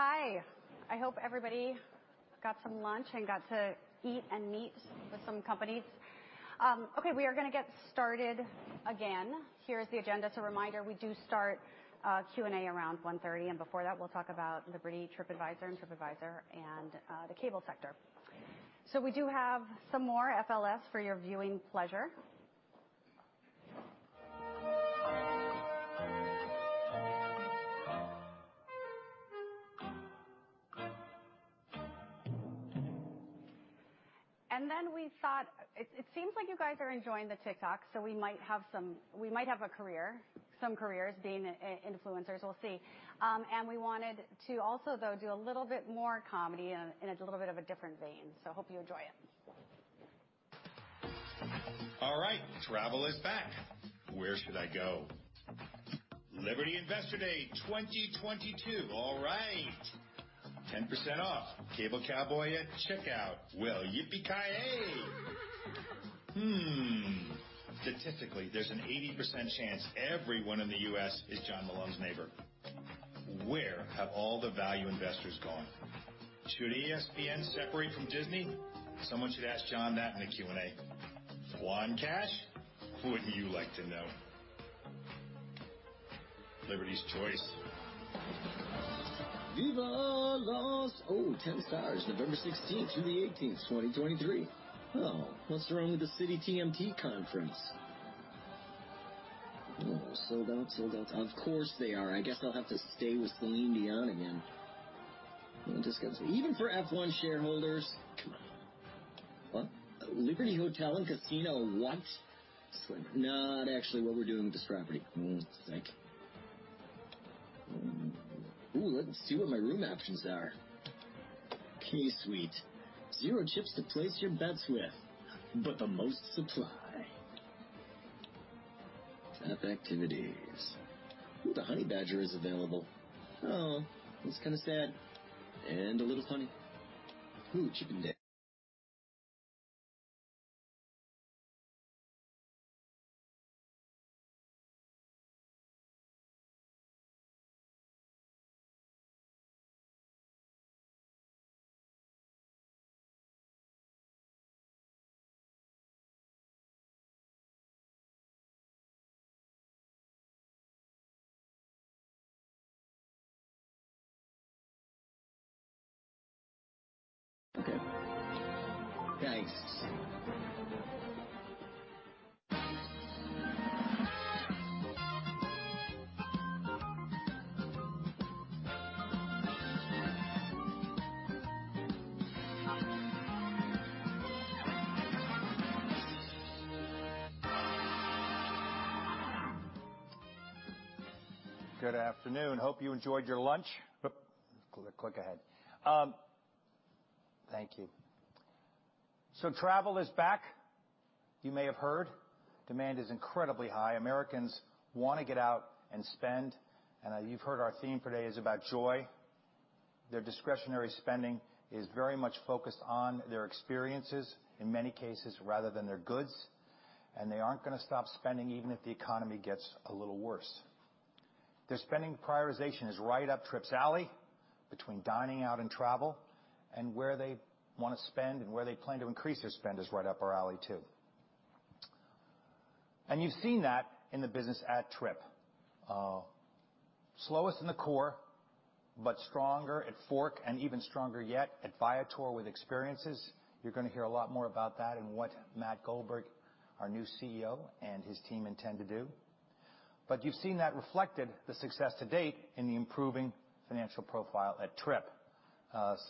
Hi. I hope everybody got some lunch and got to eat and meet with some companies. Okay, we are gonna get started again. Here is the agenda. As a reminder, we do start Q&A around 1:30 P.M., and before that we'll talk about Liberty TripAdvisor and Tripadvisor and the cable sector. We do have some more FLS for your viewing pleasure. It seems like you guys are enjoying the TikTok, so we might have a career, some careers being influencers, we'll see. We wanted to also, though, do a little bit more comedy in a little bit of a different vein. Hope you enjoy it. All right, travel is back. Where should I go? Liberty Investor Day 2022. All right. 10% off. Cable cowboy at checkout. Well, yippee-ki-yay. Hmm. Statistically, there's an 80% chance everyone in the U.S. is John Malone's neighbor. Where have all the value investors gone? Should ESPN separate from Disney? Someone should ask John that in the Q&A. John's cash? Wouldn't you like to know. Liberty's choice. Viva Las Ottenstars, November 16th through the 18th, 2023. Oh, what's wrong with the Citi TMT Conference? Oh, sold out. Of course they are. I guess I'll have to stay with Celine Dion again. Even for F1 shareholders. Come on. What? Liberty Hotel and Casino what? Not actually what we're doing with this property. Hmm, sick. Ooh, let's see what my room options are. kSuite. Zero chips to place your bets with, but the most supply. Top activities. Oh, the honey badger is available. Oh, that's kinda sad and a little funny. Okay. Thanks. Good afternoon. Hope you enjoyed your lunch. Click ahead. Thank you. Travel is back. You may have heard. Demand is incredibly high. Americans wanna get out and spend. You've heard our theme today is about joy. Their discretionary spending is very much focused on their experiences in many cases rather than their goods, and they aren't gonna stop spending even if the economy gets a little worse. Their spending prioritization is right up Trip's alley between dining out and travel, and where they wanna spend and where they plan to increase their spend is right up our alley too. You've seen that in the business at Trip. Slowest in the core, but stronger at Fork and even stronger yet at Viator with experiences. You're gonna hear a lot more about that and what Matt Goldberg, our new CEO, and his team intend to do. You've seen that reflected the success to date in the improving financial profile at Trip.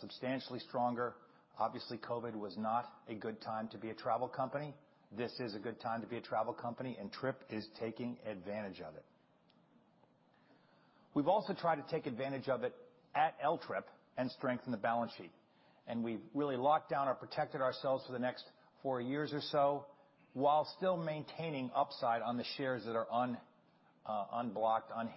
Substantially stronger. Obviously, COVID was not a good time to be a travel company. This is a good time to be a travel company, and Trip is taking advantage of it. We've also tried to take advantage of it at LTRIP and strengthen the balance sheet. We've really locked down or protected ourselves for the next four years or so while still maintaining upside on the shares that are unhedged.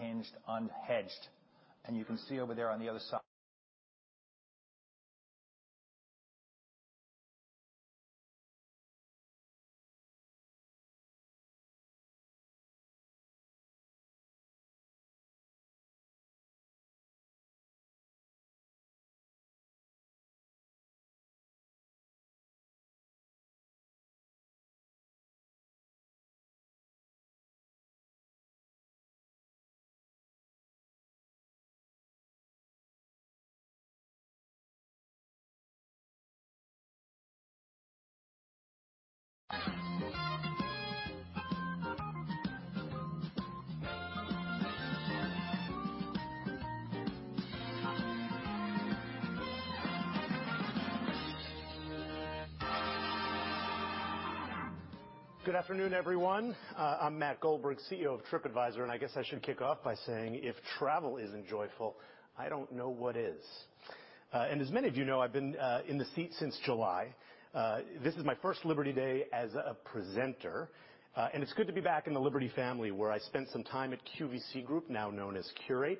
Good afternoon, everyone. I'm Matt Goldberg, CEO of Tripadvisor, and I guess I should kick off by saying if travel isn't joyful, I don't know what is. As many of you know, I've been in the seat since July. This is my first Liberty Day as a presenter, and it's good to be back in the Liberty family, where I spent some time at QVC Group, now known as Qurate.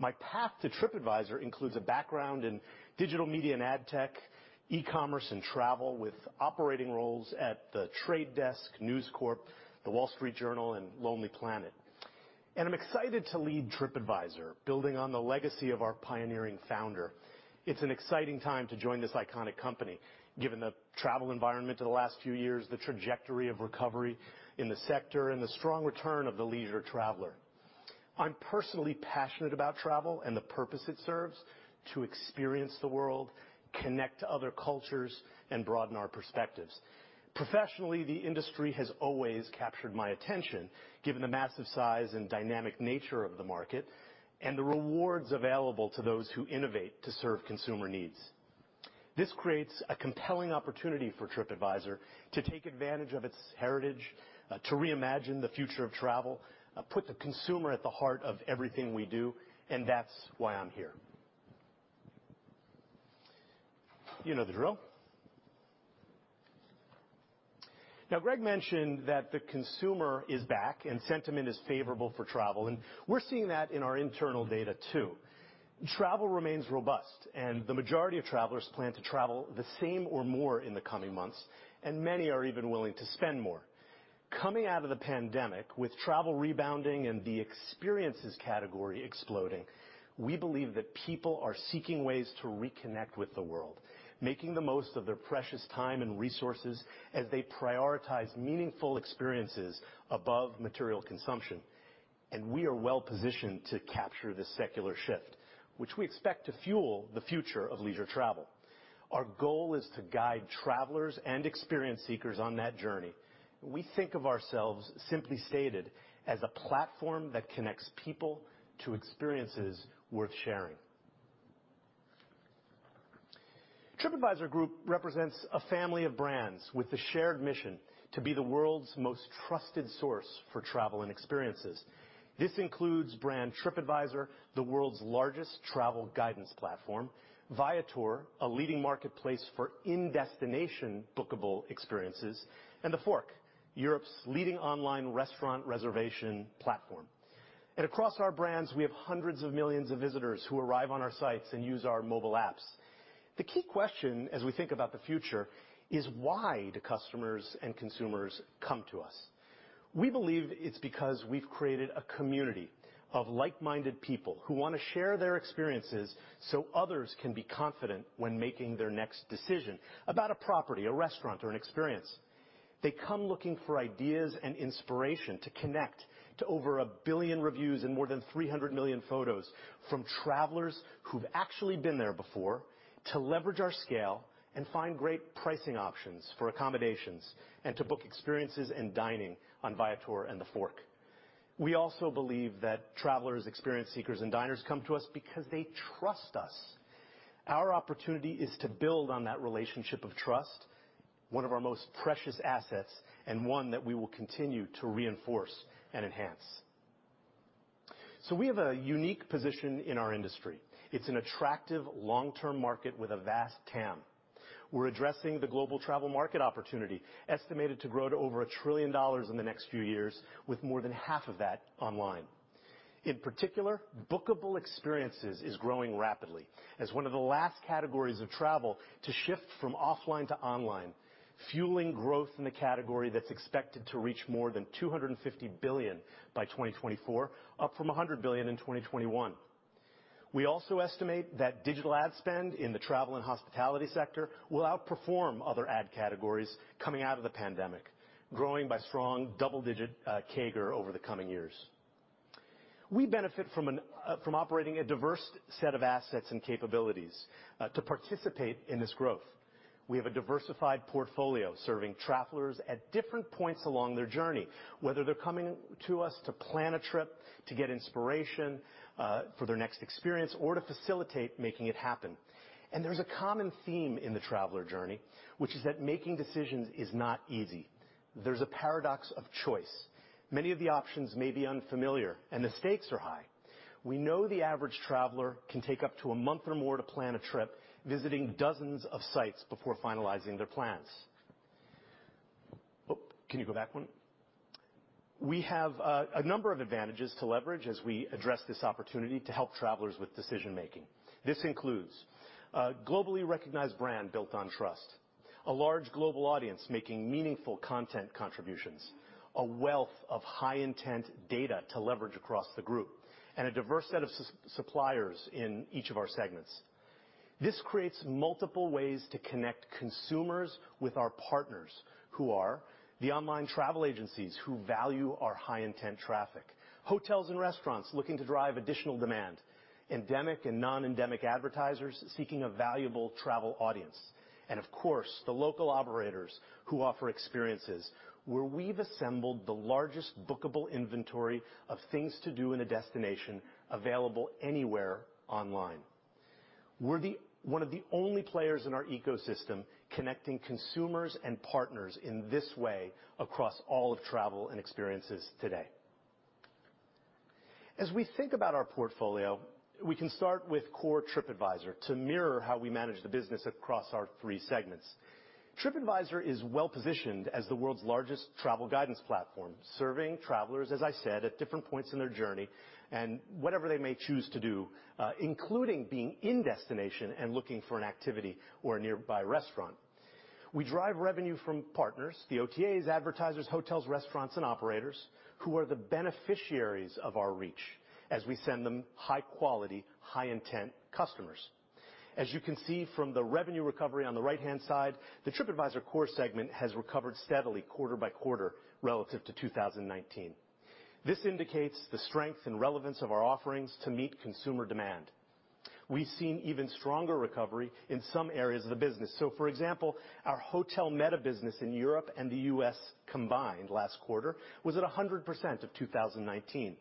My path to Tripadvisor includes a background in digital media and ad tech, e-commerce and travel, with operating roles at The Trade Desk, News Corp, The Wall Street Journal and Lonely Planet. I'm excited to lead Tripadvisor, building on the legacy of our pioneering founder. It's an exciting time to join this iconic company, given the travel environment of the last few years, the trajectory of recovery in the sector, and the strong return of the leisure traveler. I'm personally passionate about travel and the purpose it serves to experience the world, connect to other cultures, and broaden our perspectives. Professionally, the industry has always captured my attention, given the massive size and dynamic nature of the market and the rewards available to those who innovate to serve consumer needs. This creates a compelling opportunity for Tripadvisor to take advantage of its heritage to reimagine the future of travel, put the consumer at the heart of everything we do, and that's why I'm here. You know the drill. Now, Greg mentioned that the consumer is back and sentiment is favorable for travel, and we're seeing that in our internal data too. Travel remains robust, and the majority of travelers plan to travel the same or more in the coming months, and many are even willing to spend more. Coming out of the pandemic, with travel rebounding and the experiences category exploding, we believe that people are seeking ways to reconnect with the world, making the most of their precious time and resources as they prioritize meaningful experiences above material consumption. We are well-positioned to capture this secular shift, which we expect to fuel the future of leisure travel. Our goal is to guide travelers and experience seekers on that journey. We think of ourselves, simply stated, as a platform that connects people to experiences worth sharing. Tripadvisor Group represents a family of brands with the shared mission to be the world's most trusted source for travel and experiences. This includes brand Tripadvisor, the world's largest travel guidance platform, Viator, a leading marketplace for in-destination bookable experiences, and TheFork, Europe's leading online restaurant reservation platform. Across our brands, we have hundreds of millions of visitors who arrive on our sites and use our mobile apps. The key question as we think about the future is why do customers and consumers come to us? We believe it's because we've created a community of like-minded people who wanna share their experiences, so others can be confident when making their next decision about a property, a restaurant, or an experience. They come looking for ideas and inspiration to connect to over 1 billion reviews and more than 300 million photos from travelers who've actually been there before to leverage our scale and find great pricing options for accommodations and to book experiences and dining on Viator and TheFork. We also believe that travelers, experience seekers, and diners come to us because they trust us. Our opportunity is to build on that relationship of trust, one of our most precious assets, and one that we will continue to reinforce and enhance. We have a unique position in our industry. It's an attractive long-term market with a vast TAM. We're addressing the global travel market opportunity, estimated to grow to over $1 trillion in the next few years, with more than half of that online. In particular, bookable experiences is growing rapidly as one of the last categories of travel to shift from offline to online, fueling growth in the category that's expected to reach more than $250 billion by 2024, up from $100 billion in 2021. We also estimate that digital ad spend in the travel and hospitality sector will outperform other ad categories coming out of the pandemic, growing by strong double-digit CAGR over the coming years. We benefit from operating a diverse set of assets and capabilities to participate in this growth. We have a diversified portfolio serving travelers at different points along their journey, whether they're coming to us to plan a trip, to get inspiration for their next experience, or to facilitate making it happen. There's a common theme in the traveler journey, which is that making decisions is not easy. There's a paradox of choice. Many of the options may be unfamiliar, and the stakes are high. We know the average traveler can take up to a month or more to plan a trip, visiting dozens of sites before finalizing their plans. Oh, can you go back one? We have a number of advantages to leverage as we address this opportunity to help travelers with decision-making. This includes a globally recognized brand built on trust, a large global audience making meaningful content contributions, a wealth of high-intent data to leverage across the group, and a diverse set of suppliers in each of our segments. This creates multiple ways to connect consumers with our partners, who are the online travel agencies who value our high-intent traffic, hotels and restaurants looking to drive additional demand, endemic and non-endemic advertisers seeking a valuable travel audience, and of course, the local operators who offer experiences, where we've assembled the largest bookable inventory of things to do in a destination available anywhere online. One of the only players in our ecosystem connecting consumers and partners in this way across all of travel and experiences today. As we think about our portfolio, we can start with core Tripadvisor to mirror how we manage the business across our three segments. Tripadvisor is well-positioned as the world's largest travel guidance platform, serving travelers, as I said, at different points in their journey and whatever they may choose to do, including being in destination and looking for an activity or a nearby restaurant. We drive revenue from partners, the OTAs, advertisers, hotels, restaurants, and operators, who are the beneficiaries of our reach as we send them high quality, high intent customers. As you can see from the revenue recovery on the right-hand side, the Tripadvisor core segment has recovered steadily quarter by quarter relative to 2019. This indicates the strength and relevance of our offerings to meet consumer demand. We've seen even stronger recovery in some areas of the business. For example, our hotel meta business in Europe and the U.S. combined last quarter was at 100% of 2019.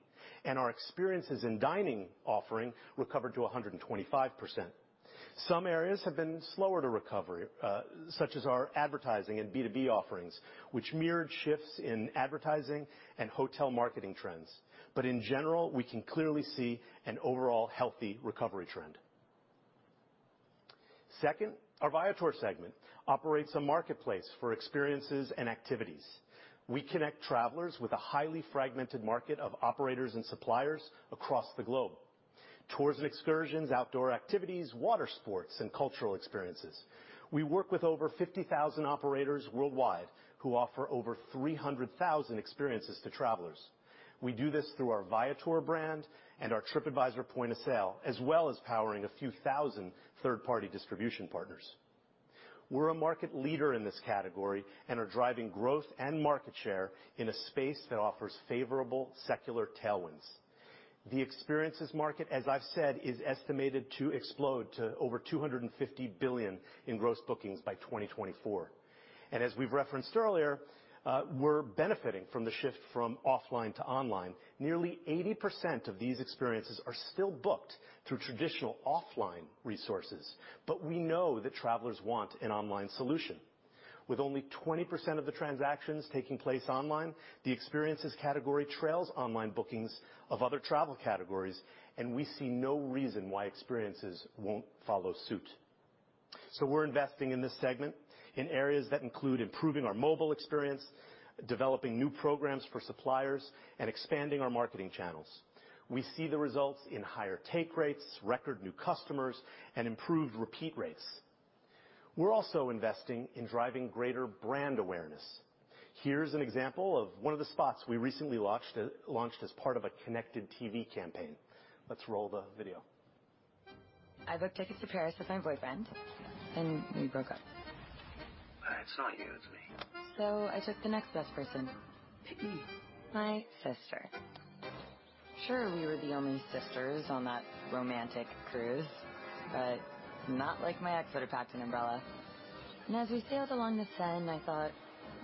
Our experiences in dining offering recovered to 125%. Some areas have been slower to recover, such as our advertising and B2B offerings, which mirrored shifts in advertising and hotel marketing trends. In general, we can clearly see an overall healthy recovery trend. Second, our Viator segment operates a marketplace for experiences and activities. We connect travelers with a highly fragmented market of operators and suppliers across the globe. Tours and excursions, outdoor activities, water sports, and cultural experiences. We work with over 50,000 operators worldwide who offer over 300,000 experiences to travelers. We do this through our Viator brand and our Tripadvisor point of sale, as well as powering a few thousand third-party distribution partners. We're a market leader in this category and are driving growth and market share in a space that offers favorable secular tailwinds. The experiences market, as I've said, is estimated to explode to over $250 billion in gross bookings by 2024. As we've referenced earlier, we're benefiting from the shift from offline to online. Nearly 80% of these experiences are still booked through traditional offline resources, but we know that travelers want an online solution. With only 20% of the transactions taking place online, the experiences category trails online bookings of other travel categories, and we see no reason why experiences won't follow suit. We're investing in this segment in areas that include improving our mobile experience, developing new programs for suppliers, and expanding our marketing channels. We see the results in higher take rates, record new customers, and improved repeat rates. We're also investing in driving greater brand awareness. Here's an example of one of the spots we recently launched as part of a connected T.V. campaign. Let's roll the video. I booked tickets to Paris with my boyfriend, and we broke up. It's not you, it's me. I took the next best person, my sister. Sure, we were the only sisters on that romantic cruise, but not like my ex would've packed an umbrella. As we sailed along the Seine, I thought,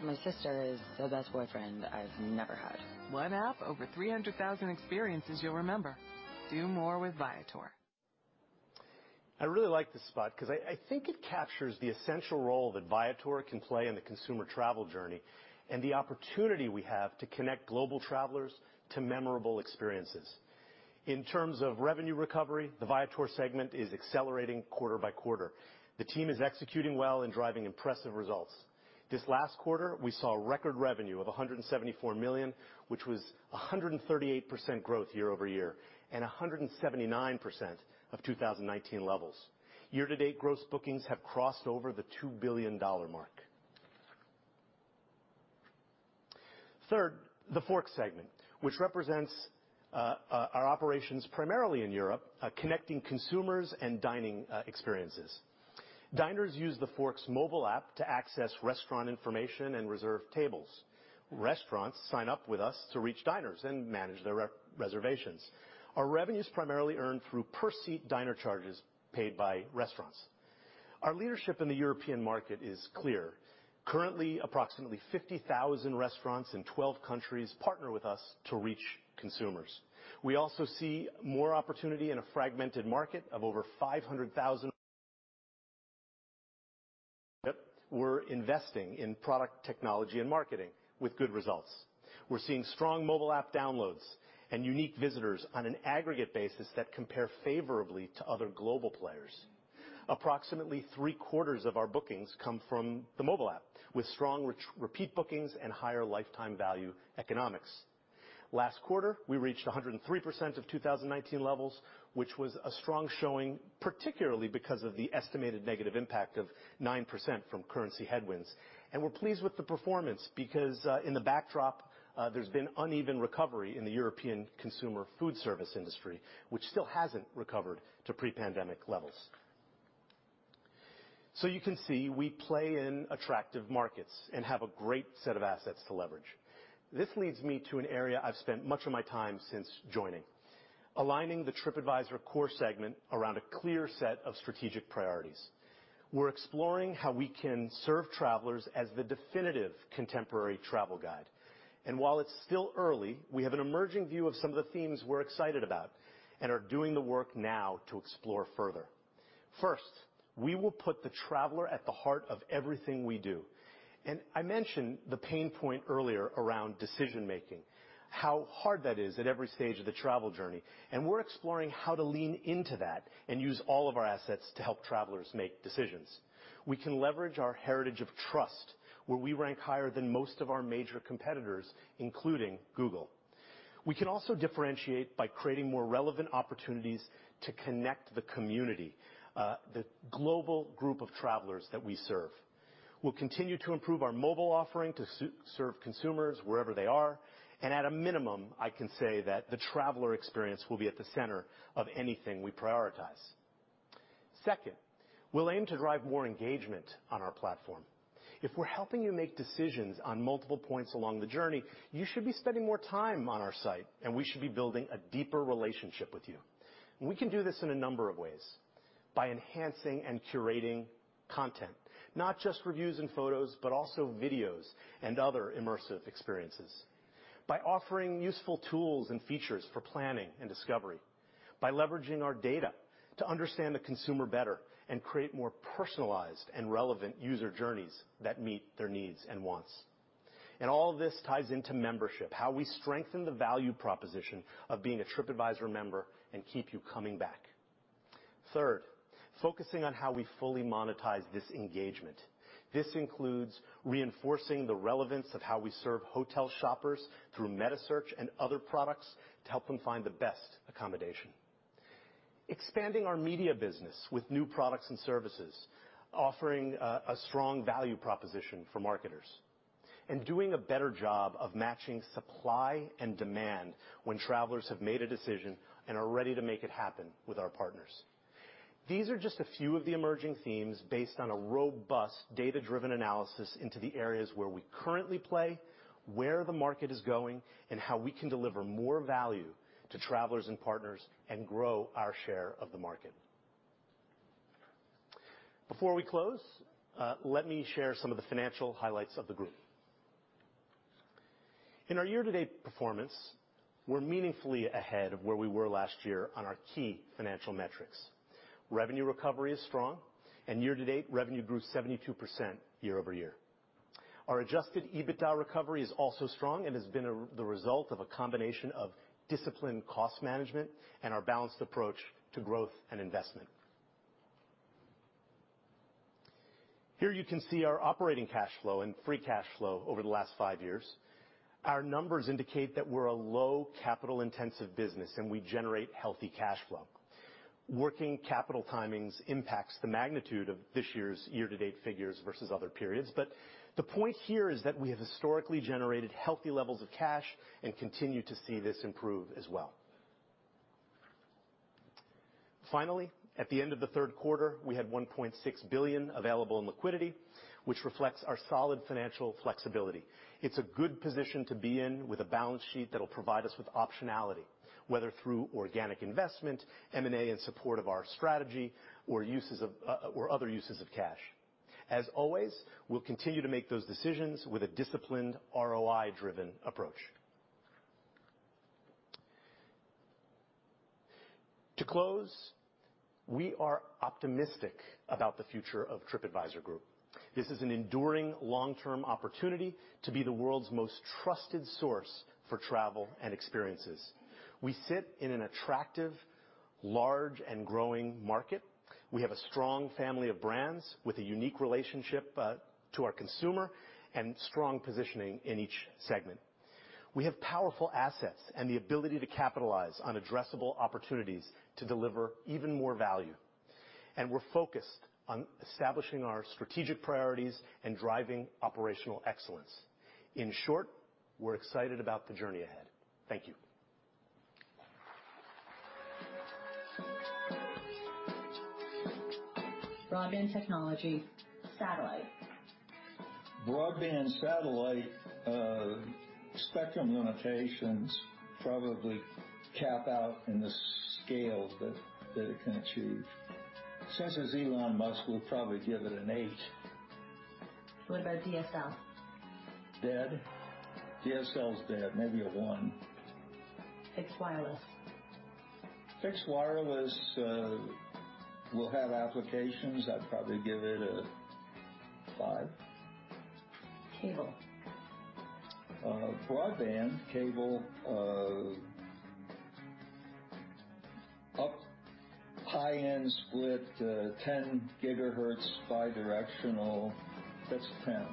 my sister is the best boyfriend I've never had. One app, over 300,000 experiences you'll remember. Do more with Viator. I really like this spot because I think it captures the essential role that Viator can play in the consumer travel journey and the opportunity we have to connect global travelers to memorable experiences. In terms of revenue recovery, the Viator segment is accelerating quarter-by-quarter. The team is executing well and driving impressive results. This last quarter, we saw record revenue of $174 million, which was 138% growth year-over-year, and 179% of 2019 levels. Year-to-date gross bookings have crossed over the two-billion-dollar mark. Third, TheFork segment, which represents our operations primarily in Europe, connecting consumers and dining experiences. Diners use TheFork mobile app to access restaurant information and reserve tables. Restaurants sign up with us to reach diners and manage their reservations. Our revenue is primarily earned through per-seat diner charges paid by restaurants. Our leadership in the European market is clear. Currently, approximately 50,000 restaurants in 12 countries partner with us to reach consumers. We also see more opportunity in a fragmented market of over 500,000. We're investing in product technology and marketing with good results. We're seeing strong mobile app downloads and unique visitors on an aggregate basis that compare favorably to other global players. Approximately 3/4 of our bookings come from the mobile app with strong repeat bookings and higher lifetime value economics. Last quarter, we reached 103% of 2019 levels, which was a strong showing, particularly because of the estimated negative impact of 9% from currency headwinds. We're pleased with the performance because in the backdrop, there's been uneven recovery in the European consumer food service industry, which still hasn't recovered to pre-pandemic levels. You can see, we play in attractive markets and have a great set of assets to leverage. This leads me to an area I've spent much of my time since joining, aligning the Tripadvisor core segment around a clear set of strategic priorities. We're exploring how we can serve travelers as the definitive contemporary travel guide. While it's still early, we have an emerging view of some of the themes we're excited about and are doing the work now to explore further. First, we will put the traveler at the heart of everything we do. I mentioned the pain point earlier around decision-making, how hard that is at every stage of the travel journey, and we're exploring how to lean into that and use all of our assets to help travelers make decisions. We can leverage our heritage of trust, where we rank higher than most of our major competitors, including Google. We can also differentiate by creating more relevant opportunities to connect the community, the global group of travelers that we serve. We'll continue to improve our mobile offering to serve consumers wherever they are, and at a minimum, I can say that the traveler experience will be at the center of anything we prioritize. Second, we'll aim to drive more engagement on our platform. If we're helping you make decisions on multiple points along the journey, you should be spending more time on our site, and we should be building a deeper relationship with you. We can do this in a number of ways, by enhancing and curating content, not just reviews and photos, but also videos and other immersive experiences. By offering useful tools and features for planning and discovery, by leveraging our data to understand the consumer better and create more personalized and relevant user journeys that meet their needs and wants. All of this ties into membership, how we strengthen the value proposition of being a Tripadvisor member and keep you coming back. Third, focusing on how we fully monetize this engagement. This includes reinforcing the relevance of how we serve hotel shoppers through meta search and other products to help them find the best accommodation. Expanding our media business with new products and services, offering a strong value proposition for marketers. Doing a better job of matching supply and demand when travelers have made a decision and are ready to make it happen with our partners. These are just a few of the emerging themes based on a robust, data-driven analysis into the areas where we currently play, where the market is going, and how we can deliver more value to travelers and partners and grow our share of the market. Before we close, let me share some of the financial highlights of the group. In our year-to-date performance, we're meaningfully ahead of where we were last year on our key financial metrics. Revenue recovery is strong, and year-to-date revenue grew 72% year-over-year. Our adjusted EBITDA recovery is also strong and has been the result of a combination of disciplined cost management and our balanced approach to growth and investment. Here you can see our operating cash flow and free cash flow over the last five years. Our numbers indicate that we're a low capital-intensive business, and we generate healthy cash flow. Working capital timings impacts the magnitude of this year's year-to-date figures versus other periods, but the point here is that we have historically generated healthy levels of cash and continue to see this improve as well. Finally, at the end of the third quarter, we had one point six billion available in liquidity, which reflects our solid financial flexibility. It's a good position to be in with a balance sheet that'll provide us with optionality, whether through organic investment, M&A in support of our strategy or other uses of cash. As always, we'll continue to make those decisions with a disciplined ROI-driven approach. To close, we are optimistic about the future of Tripadvisor Group. This is an enduring long-term opportunity to be the world's most trusted source for travel and experiences. We sit in an attractive, large, and growing market. We have a strong family of brands with a unique relationship to our consumer and strong positioning in each segment. We have powerful assets and the ability to capitalize on addressable opportunities to deliver even more value, and we're focused on establishing our strategic priorities and driving operational excellence. In short, we're excited about the journey ahead. Thank you. Broadband technology, satellite. Broadband satellite spectrum limitations probably cap out in the scale that it can achieve. Since it's Elon Musk, we'll probably give it an eight. What about DSL? Dead. DSL is dead. Maybe a one. Fixed wireless. Fixed wireless will have applications. I'd probably give it a five. Cable. Broadband cable, high-split, 10 GHz bidirectional. That's 10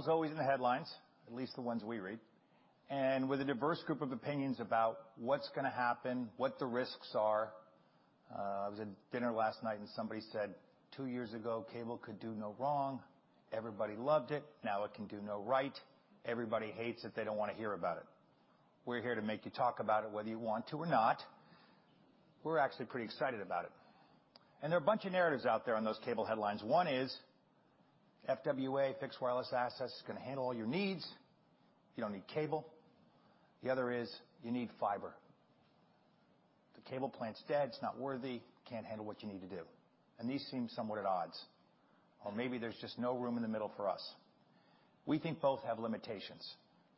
GHz. Cable's always in the headlines, at least the ones we read, and with a diverse group of opinions about what's gonna happen, what the risks are. I was at dinner last night, and somebody said, "Two years ago, cable could do no wrong. Everybody loved it. Now it can do no right. Everybody hates it. They don't wanna hear about it." We're here to make you talk about it whether you want to or not. We're actually pretty excited about it. There are a bunch of narratives out there on those cable headlines. One is FWA, Fixed Wireless Access, can handle all your needs. You don't need cable. The other is you need fiber. The cable plant's dead, it's not worthy, can't handle what you need to do. These seem somewhat at odds. Maybe there's just no room in the middle for us. We think both have limitations.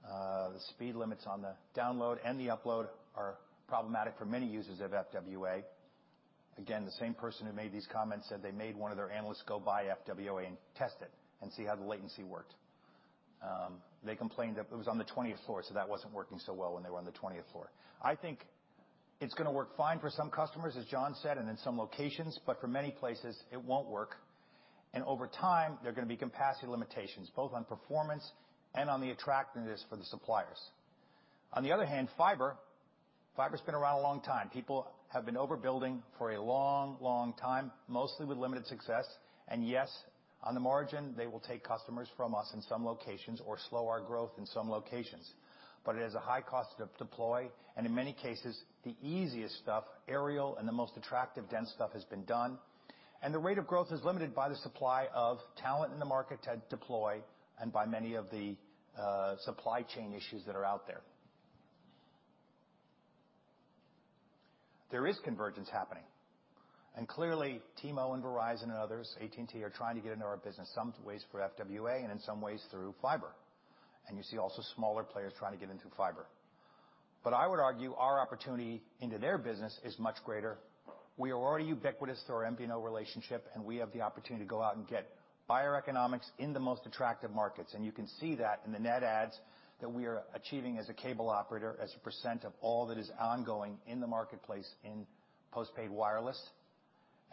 The speed limits on the download and the upload are problematic for many users of FWA. Again, the same person who made these comments said they made one of their analysts go buy FWA and test it and see how the latency worked. They complained that it was on the 20th floor, so that wasn't working so well when they were on the 20th floor. I think it's gonna work fine for some customers, as John said, and in some locations, but for many places it won't work. Over time, there are gonna be capacity limitations, both on performance and on the attractiveness for the suppliers. On the other hand, fiber's been around a long time. People have been overbuilding for a long, long time, mostly with limited success. Yes, on the margin, they will take customers from us in some locations or slow our growth in some locations. It has a high cost to deploy, and in many cases, the easiest stuff, aerial, and the most attractive dense stuff has been done, and the rate of growth is limited by the supply of talent in the market to deploy and by many of the supply chain issues that are out there. There is convergence happening. Clearly T-Mobile and Verizon and others, AT&T, are trying to get into our business, some ways through FWA and in some ways through fiber. You see also smaller players trying to get into fiber. I would argue our opportunity into their business is much greater. We are already ubiquitous through our MVNO relationship, and we have the opportunity to go out and get buyer economics in the most attractive markets. You can see that in the net adds that we are achieving as a cable operator, as a percent of all that is ongoing in the marketplace in post-paid wireless.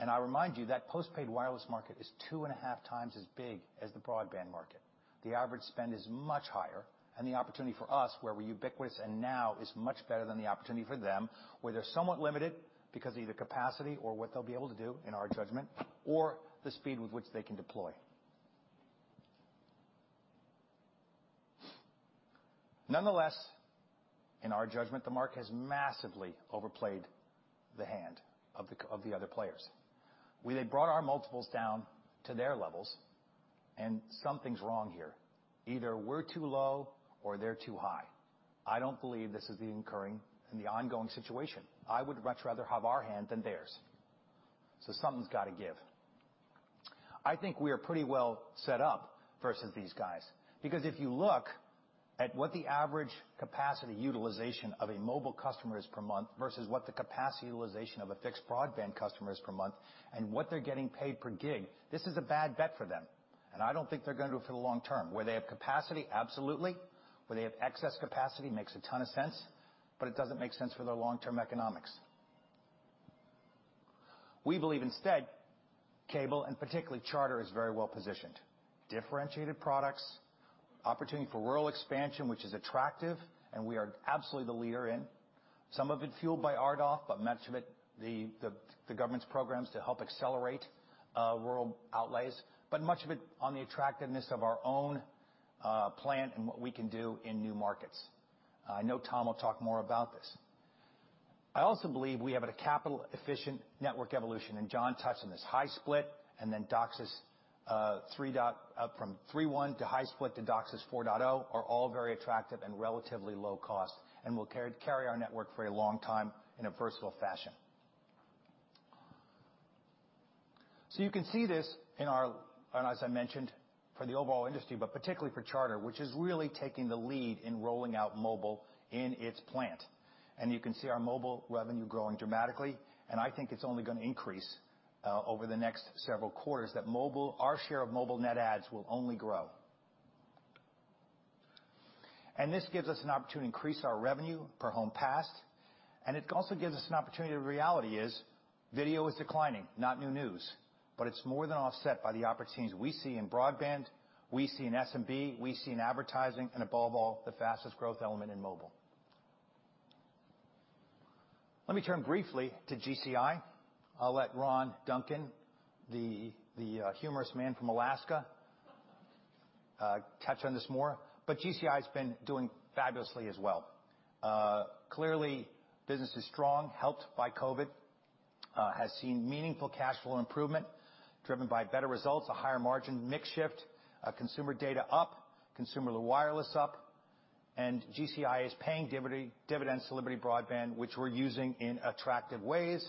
I remind you that post-paid wireless market is 2.5x as big as the broadband market. The average spend is much higher, and the opportunity for us, where we're ubiquitous and now, is much better than the opportunity for them, where they're somewhat limited because of either capacity or what they'll be able to do, in our judgment, or the speed with which they can deploy. Nonetheless, in our judgment, the market has massively overplayed the hand of the other players. We then brought our multiples down to their levels and something's wrong here. Either we're too low or they're too high. I don't believe this is the enduring and the ongoing situation. I would much rather have our hand than theirs. Something's gotta give. I think we are pretty well set up versus these guys, because if you look at what the average capacity utilization of a mobile customer is per month versus what the capacity utilization of a fixed broadband customer is per month and what they're getting paid per gig, this is a bad bet for them. I don't think they're gonna do it for the long term. Where they have capacity, absolutely. Where they have excess capacity, makes a ton of sense, but it doesn't make sense for their long-term economics. We believe instead, cable, and particularly Charter, is very well-positioned. Differentiated products, opportunity for rural expansion, which is attractive, and we are absolutely the leader in. Some of it fueled by RDOF, but much of it the government's programs to help accelerate rural outlays, but much of it on the attractiveness of our own plan and what we can do in new markets. I know Tom will talk more about this. I also believe we have a capital-efficient network evolution, and John touched on this. High-split and then DOCSIS from 3.1 to high-split to DOCSIS 4.0 are all very attractive and relatively low cost and will carry our network for a long time in a versatile fashion. As I mentioned, for the overall industry, but particularly for Charter, which is really taking the lead in rolling out mobile in its plant. You can see our mobile revenue growing dramatically, and I think it's only gonna increase over the next several quarters, that our share of mobile net adds will only grow. This gives us an opportunity to increase our revenue per home passed, and it also gives us an opportunity. The reality is video is declining, not new news, but it's more than offset by the opportunities we see in broadband, we see in SMB, we see in advertising, and above all, the fastest growth element in mobile. Let me turn briefly to GCI. I'll let Ron Duncan, the humorous man from Alaska, touch on this more. GCI's been doing fabulously as well. Clearly business is strong, helped by COVID, has seen meaningful cash flow improvement driven by better results, a higher margin mix shift, consumer data up, consumer wireless up, and GCI is paying dividends to Liberty Broadband, which we're using in attractive ways.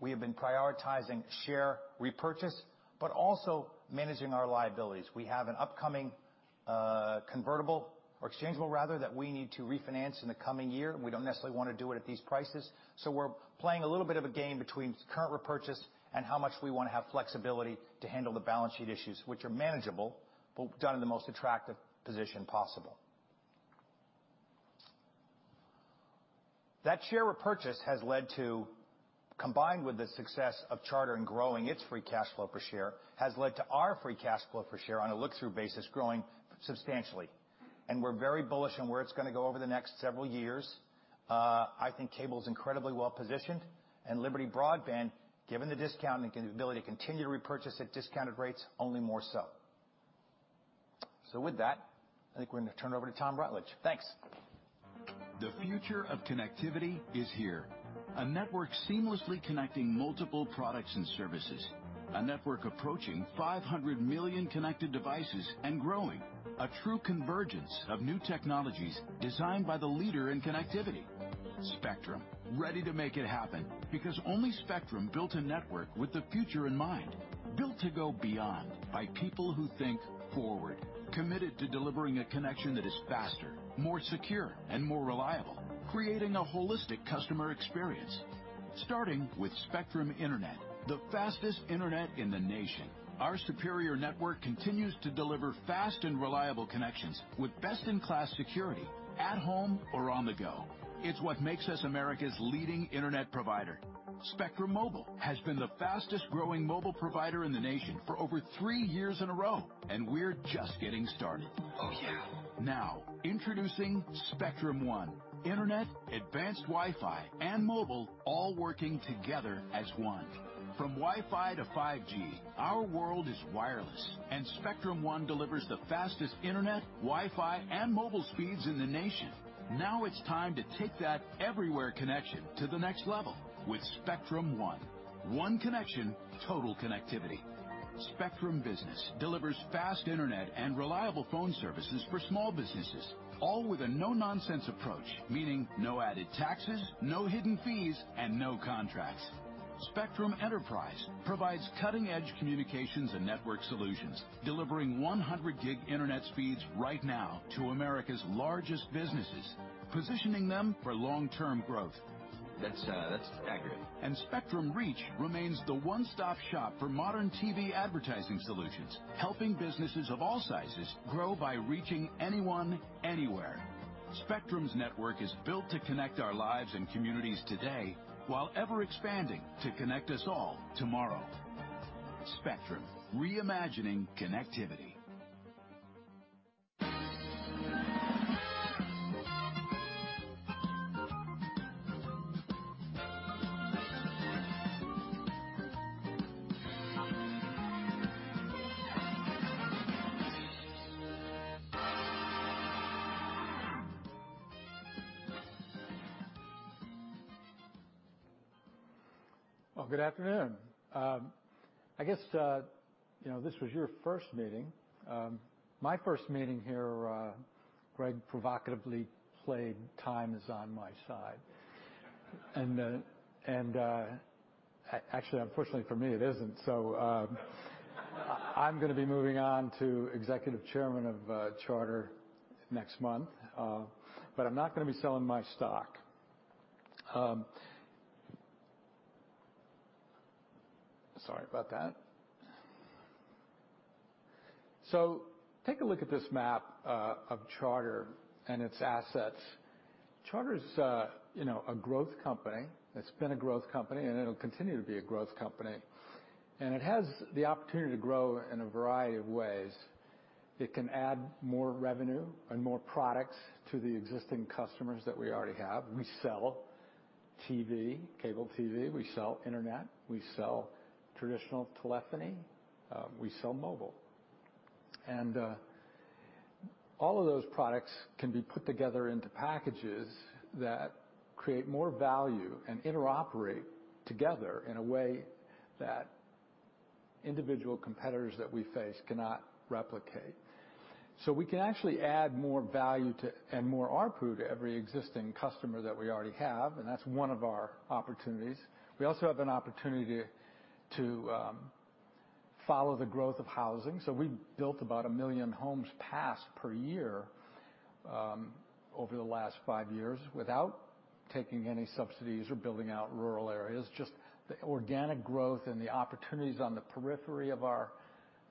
We have been prioritizing share repurchase, but also managing our liabilities. We have an upcoming convertible or exchangeable rather, that we need to refinance in the coming year, and we don't necessarily wanna do it at these prices. We're playing a little bit of a game between current repurchase and how much we wanna have flexibility to handle the balance sheet issues, which are manageable, but done in the most attractive position possible. That share repurchase, combined with the success of Charter in growing its free cash flow per share, has led to our free cash flow per share on a look-through basis growing substantially. We're very bullish on where it's gonna go over the next several years. I think cable's incredibly well-positioned and Liberty Broadband, given the discount and the ability to continue to repurchase at discounted rates, only more so. With that, I think we're gonna turn it over to Tom Rutledge. Thanks. The future of connectivity is here. A network seamlessly connecting multiple products and services. A network approaching 500 million connected devices and growing. A true convergence of new technologies designed by the leader in connectivity. Spectrum, ready to make it happen because only Spectrum built a network with the future in mind, built to go beyond by people who think forward, committed to delivering a connection that is faster, more secure and more reliable, creating a holistic customer experience. Starting with Spectrum Internet, the fastest internet in the nation. Our superior network continues to deliver fast and reliable connections with best-in-class security at home or on the go. It's what makes us America's leading internet provider. Spectrum Mobile has been the fastest-growing mobile provider in the nation for over three years in a row, and we're just getting started. Oh, yeah. Now introducing Spectrum One. Internet, advanced Wi-Fi, and mobile all working together as one. From Wi-Fi to 5G, our world is wireless, and Spectrum One delivers the fastest internet, Wi-Fi and mobile speeds in the nation. Now it's time to take that everywhere connection to the next level with Spectrum One. One connection, total connectivity. Spectrum Business delivers fast internet and reliable phone services for small businesses, all with a no-nonsense approach, meaning no added taxes, no hidden fees and no contracts. Spectrum Enterprise provides cutting-edge communications and network solutions, delivering 100 Gb internet speeds right now to America's largest businesses, positioning them for long-term growth. That's accurate. Spectrum Reach remains the one-stop shop for modern T.V. advertising solutions, helping businesses of all sizes grow by reaching anyone, anywhere. Spectrum's network is built to connect our lives and communities today while ever-expanding to connect us all tomorrow. Spectrum, reimagining connectivity. Well, good afternoon. I guess, you know, this was your first meeting. My first meeting here, Greg provocatively played Time Is On My Side. Actually, unfortunately for me, it isn't so. I'm gonna be moving on to Executive Chairman of Charter next month, but I'm not gonna be selling my stock. Sorry about that. Take a look at this map of Charter and its assets. Charter's, you know, a growth company. It's been a growth company, and it'll continue to be a growth company, and it has the opportunity to grow in a variety of ways. It can add more revenue and more products to the existing customers that we already have. We sell TV, cable TV, we sell internet, we sell traditional telephony, we sell mobile. All of those products can be put together into packages that create more value and interoperate together in a way that individual competitors that we face cannot replicate. We can actually add more value to, and more ARPU to every existing customer that we already have, and that's one of our opportunities. We also have an opportunity to follow the growth of housing, so we built about 1 million homes passed per year over the last five years without taking any subsidies or building out rural areas, just the organic growth and the opportunities on the periphery of our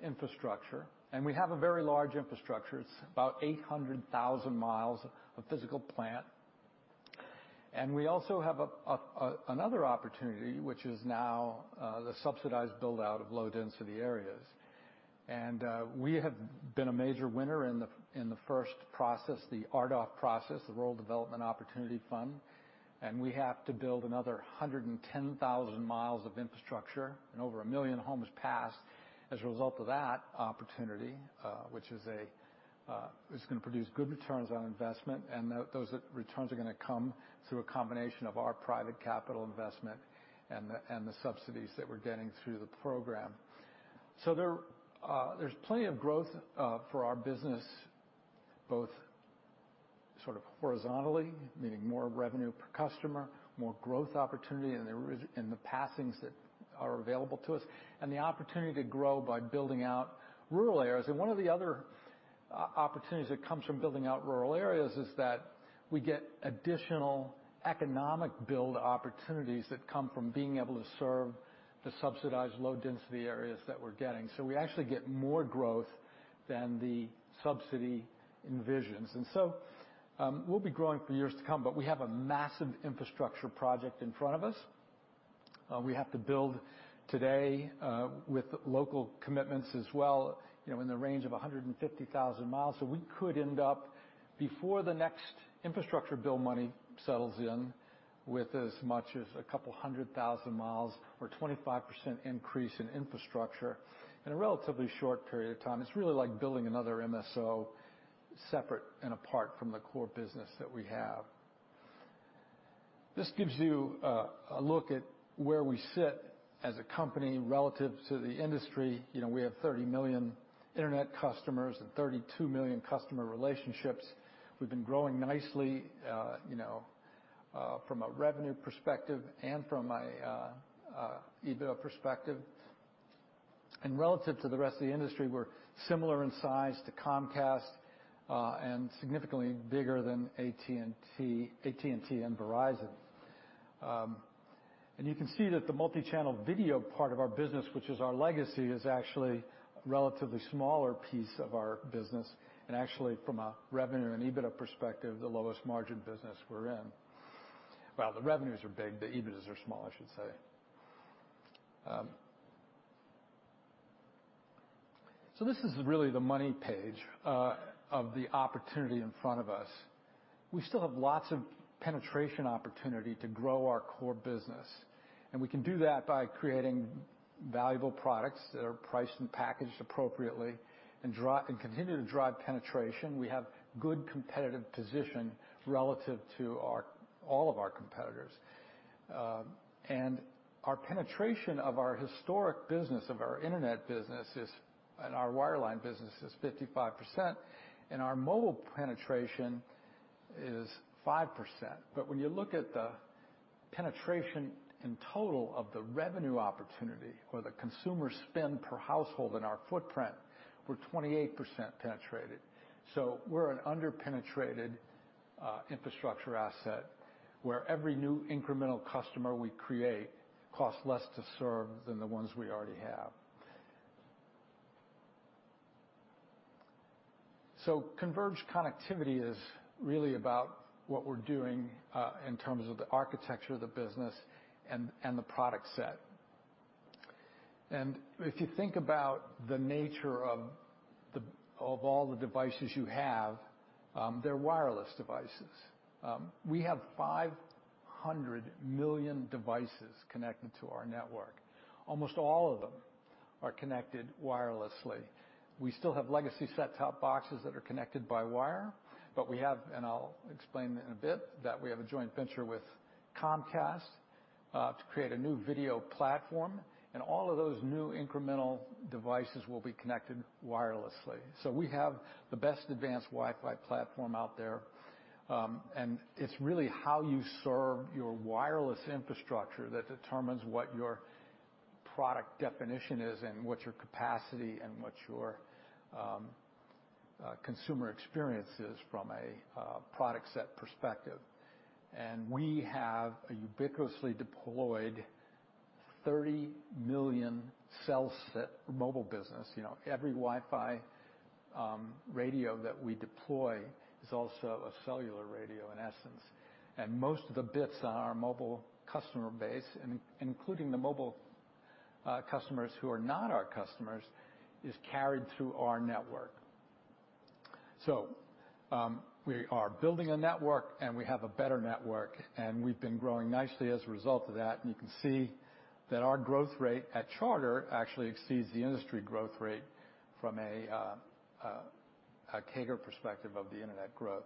infrastructure. We have a very large infrastructure. It's about 800,000 mi of physical plant. We also have another opportunity, which is now the subsidized build-out of low-density areas. We have been a major winner in the first process, the RDOF process, the Rural Digital Opportunity Fund, and we have to build another 110,000 mi of infrastructure and over 1 million homes passed as a result of that opportunity, which is gonna produce good returns on investment. Those returns are gonna come through a combination of our private capital investment and the subsidies that we're getting through the program. There's plenty of growth for our business, both sort of horizontally, meaning more revenue per customer, more growth opportunity in the passings that are available to us, and the opportunity to grow by building out rural areas. One of the other opportunities that comes from building out rural areas is that we get additional economic build opportunities that come from being able to serve the subsidized low-density areas that we're getting. We actually get more growth than the subsidy envisions. We'll be growing for years to come, but we have a massive infrastructure project in front of us. We have to build today with local commitments as well, you know, in the range of 150,000 mi. We could end up before the next infrastructure bill money settles in with as much as a couple 100,000 mi or 25% increase in infrastructure in a relatively short period of time. It's really like building another MSO separate and apart from the core business that we have. This gives you a look at where we sit as a company relative to the industry. You know, we have 30 million internet customers and 32 million customer relationships. We've been growing nicely, you know, from a revenue perspective and from a EBITDA perspective. Relative to the rest of the industry, we're similar in size to Comcast and significantly bigger than AT&T and Verizon. You can see that the multichannel video part of our business, which is our legacy, is actually a relatively smaller piece of our business. Actually from a revenue and EBITDA perspective, the lowest margin business we're in. Well, the revenues are big, the EBITDAs are small, I should say. This is really the money page of the opportunity in front of us. We still have lots of penetration opportunity to grow our core business, and we can do that by creating valuable products that are priced and packaged appropriately and continue to drive penetration. We have good competitive position relative to all of our competitors. Our penetration of our historic business, of our internet business, and our wireline business is 55%, and our mobile penetration is 5%. When you look at the penetration in total of the revenue opportunity or the consumer spend per household in our footprint, we're 28% penetrated. We're an under-penetrated infrastructure asset, where every new incremental customer we create costs less to serve than the ones we already have. Converged connectivity is really about what we're doing in terms of the architecture of the business and the product set. If you think about the nature of all the devices you have, they're wireless devices. We have 500 million devices connected to our network. Almost all of them are connected wirelessly. We still have legacy set-top boxes that are connected by wire, but we have, and I'll explain in a bit, a joint venture with Comcast to create a new video platform. All of those new incremental devices will be connected wirelessly. We have the best advanced Wi-Fi platform out there. It's really how you serve your wireless infrastructure that determines what your product definition is and what your capacity and what your consumer experience is from a product set perspective. We have a ubiquitously deployed 30 million+ mobile business. You know, every Wi-Fi radio that we deploy is also a cellular radio in essence. Most of the bits on our mobile customer base, including the mobile customers who are not our customers, is carried through our network. We are building a network, and we have a better network, and we've been growing nicely as a result of that. You can see that our growth rate at Charter actually exceeds the industry growth rate from a CAGR perspective of the internet growth.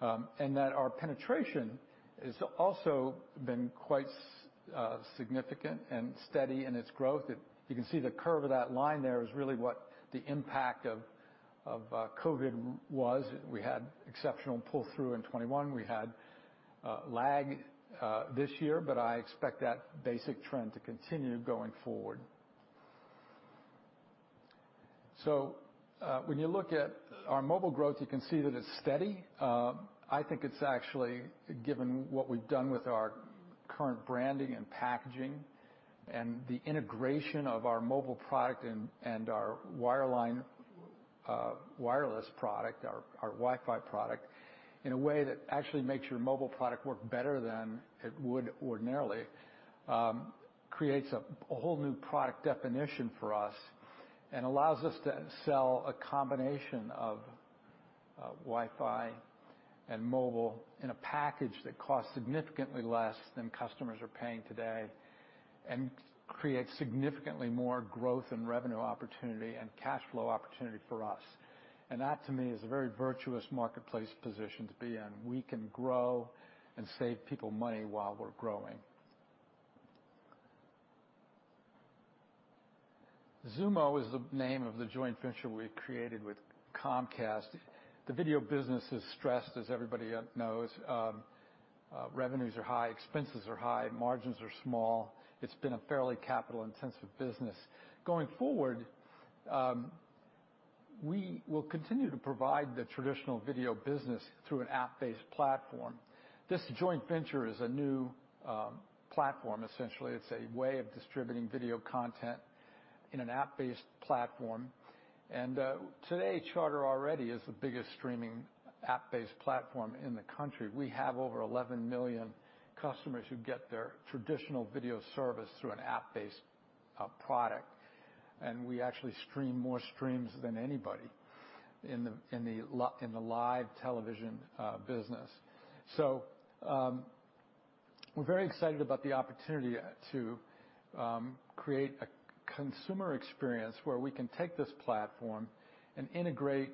Our penetration has also been quite significant and steady in its growth. You can see the curve of that line there is really what the impact of COVID was. We had exceptional pull-through in 2021. We had lag this year, but I expect that basic trend to continue going forward. When you look at our mobile growth, you can see that it's steady. I think it's actually, given what we've done with our current branding and packaging and the integration of our mobile product and our wireline, wireless product, our Wi-Fi product, in a way that actually makes your mobile product work better than it would ordinarily, creates a whole new product definition for us. Allows us to sell a combination of Wi-Fi and mobile in a package that costs significantly less than customers are paying today and creates significantly more growth and revenue opportunity and cash flow opportunity for us. That to me is a very virtuous marketplace position to be in. We can grow and save people money while we're growing. Xumo is the name of the joint venture we created with Comcast. The video business is stressed, as everybody knows. Revenues are high, expenses are high, margins are small. It's been a fairly capital-intensive business. Going forward, we will continue to provide the traditional video business through an app-based platform. This joint venture is a new platform. Essentially, it's a way of distributing video content in an app-based platform. Today, Charter already is the biggest streaming app-based platform in the country. We have over 11 million customers who get their traditional video service through an app-based product. We actually stream more streams than anybody in the live television business. We're very excited about the opportunity to create a consumer experience where we can take this platform and integrate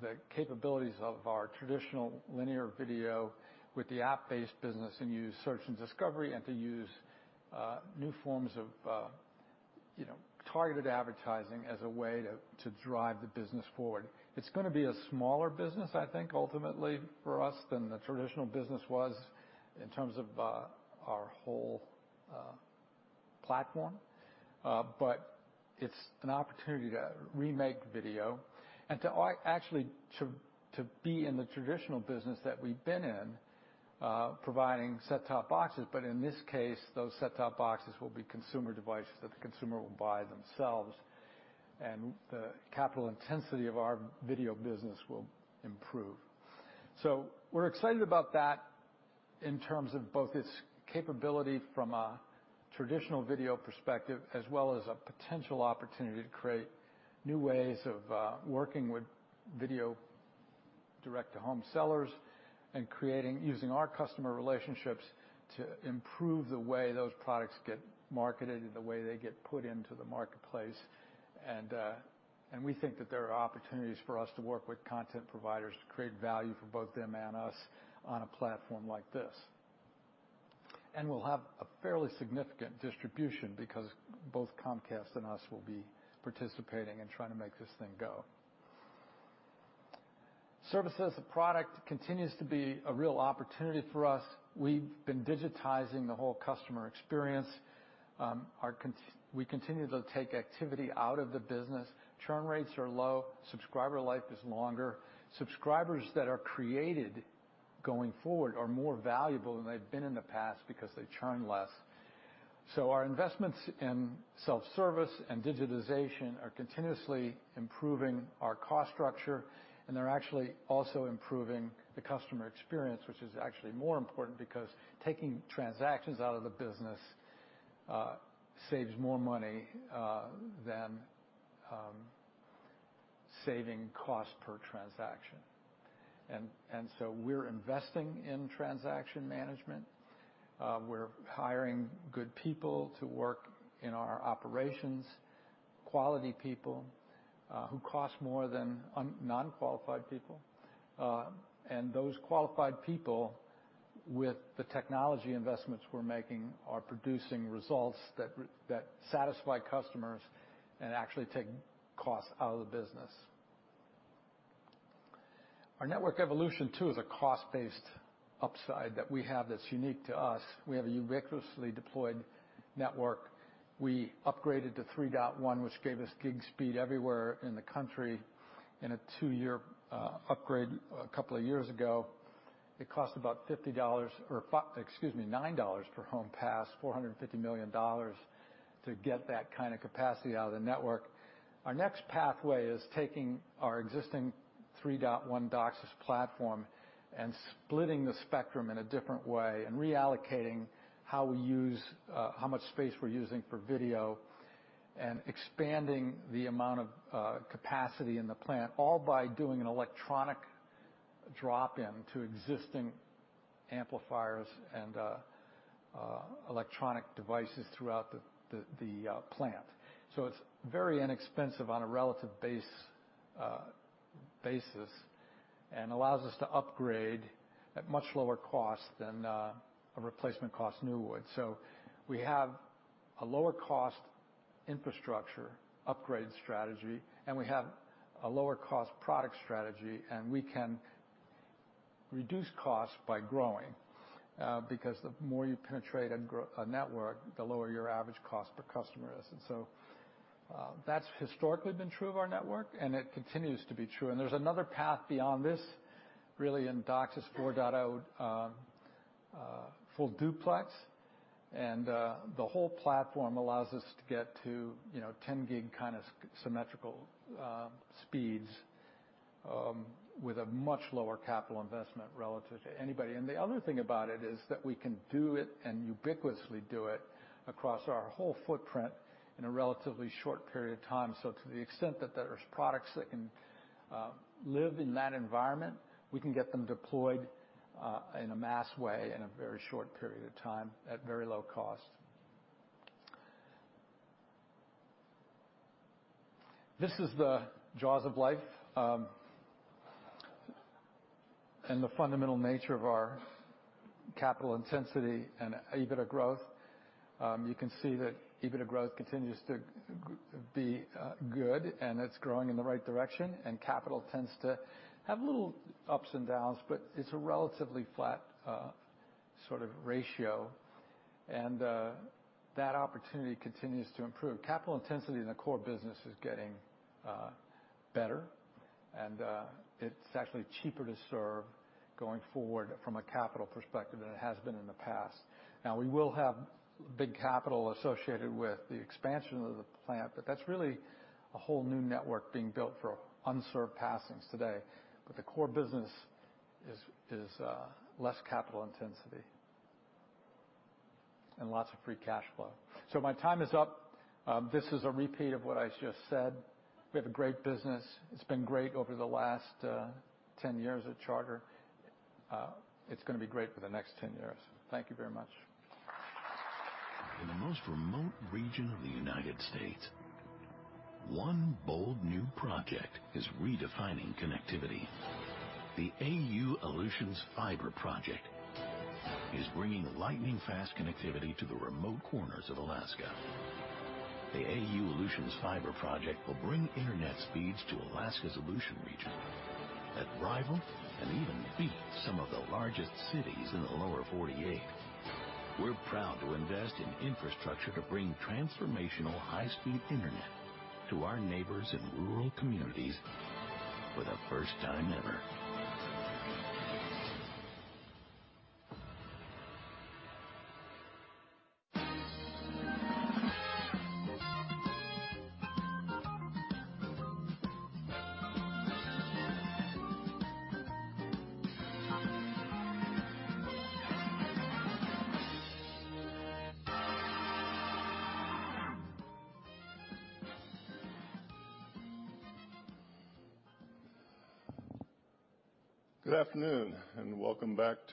the capabilities of our traditional linear video with the app-based business and use search and discovery and to use new forms of, you know, targeted advertising as a way to drive the business forward. It's gonna be a smaller business, I think, ultimately for us than the traditional business was in terms of our whole platform. It's an opportunity to remake video and actually to be in the traditional business that we've been in, providing set-top boxes. In this case, those set-top boxes will be consumer devices that the consumer will buy themselves, and the capital intensity of our video business will improve. We're excited about that in terms of both its capability from a traditional video perspective as well as a potential opportunity to create new ways of working with video direct-to-home sellers and creating, using our customer relationships to improve the way those products get marketed and the way they get put into the marketplace. We think that there are opportunities for us to work with content providers to create value for both them and us on a platform like this. We'll have a fairly significant distribution because both Comcast and us will be participating and trying to make this thing go. Services, the product continues to be a real opportunity for us. We've been digitizing the whole customer experience. We continue to take activity out of the business. Churn rates are low. Subscriber life is longer. Subscribers that are created going forward are more valuable than they've been in the past because they churn less. Our investments in self-service and digitization are continuously improving our cost structure, and they're actually also improving the customer experience, which is actually more important because taking transactions out of the business saves more money than saving cost per transaction. We're investing in transaction management. We're hiring good people to work in our operations, quality people who cost more than non-qualified people. Those qualified people, with the technology investments we're making, are producing results that satisfy customers and actually take costs out of the business. Our network evolution too is a cost-based upside that we have that's unique to us. We have a ubiquitously deployed network. We upgraded to DOCSIS 3.1, which gave us gig speed everywhere in the country in a two-year upgrade a couple of years ago. It cost about $9 per home passed, $450 million to get that kind of capacity out of the network. Our next pathway is taking our existing 3.1 DOCSIS platform and splitting the spectrum in a different way and reallocating how we use how much space we're using for video and expanding the amount of capacity in the plant, all by doing an electronic drop-in to existing amplifiers and electronic devices throughout the plant. It's very inexpensive on a relative basis and allows us to upgrade at much lower cost than a replacement cost new would. We have a lower cost infrastructure upgrade strategy, and we have a lower cost product strategy, and we can reduce costs by growing because the more you penetrate and grow a network, the lower your average cost per customer is. That's historically been true of our network, and it continues to be true. There's another path beyond this, really in DOCSIS 4.0, Full Duplex. The whole platform allows us to get to, you know, 10 gig kinda symmetrical speeds with a much lower capital investment relative to anybody. The other thing about it is that we can do it and ubiquitously do it across our whole footprint in a relatively short period of time. To the extent that there's products that can live in that environment, we can get them deployed in a mass way in a very short period of time at very low cost. This is the jaws of life and the fundamental nature of our capital intensity and EBITDA growth. You can see that EBITDA growth continues to be good, and it's growing in the right direction, and capital tends to have little ups and downs, but it's a relatively flat sort of ratio. That opportunity continues to improve. Capital intensity in the core business is getting better, and it's actually cheaper to serve going forward from a capital perspective than it has been in the past. Now, we will have big capital associated with the expansion of the plant, but that's really a whole new network being built for unserved passings today. The core business is less capital intensity. Lots of free cash flow. My time is up. This is a repeat of what I just said. We have a great business. It's been great over the last 10 years at Charter. It's gonna be great for the next 10 years. Thank you very much. In the most remote region of the United States, one bold new project is redefining connectivity. The AU-Aleutians Fiber Project is bringing lightning-fast connectivity to the remote corners of Alaska. The AU-Aleutians Fiber Project will bring internet speeds to Alaska's Aleutian region that rival and even beat some of the largest cities in the lower 48. We're proud to invest in infrastructure to bring transformational high-speed internet to our neighbors in rural communities for the first time ever.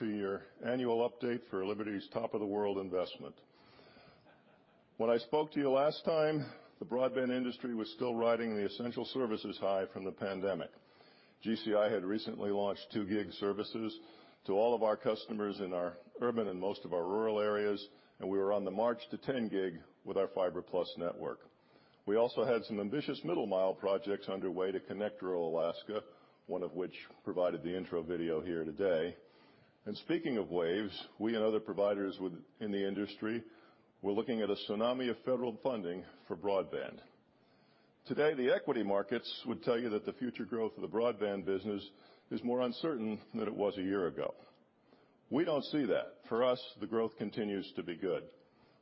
Good afternoon, and welcome back to your annual update for Liberty's Top of the World investment. When I spoke to you last time, the broadband industry was still riding the essential services high from the pandemic. GCI had recently launched 2 Gb services to all of our customers in our urban and most of our rural areas, and we were on the march to 10 Gb with our Fiber+ network. We also had some ambitious middle-mile projects underway to connect rural Alaska, one of which provided the intro video here today. Speaking of waves, we and other providers in the industry were looking at a tsunami of federal funding for broadband. Today, the equity markets would tell you that the future growth of the broadband business is more uncertain than it was a year ago. We don't see that. For us, the growth continues to be good.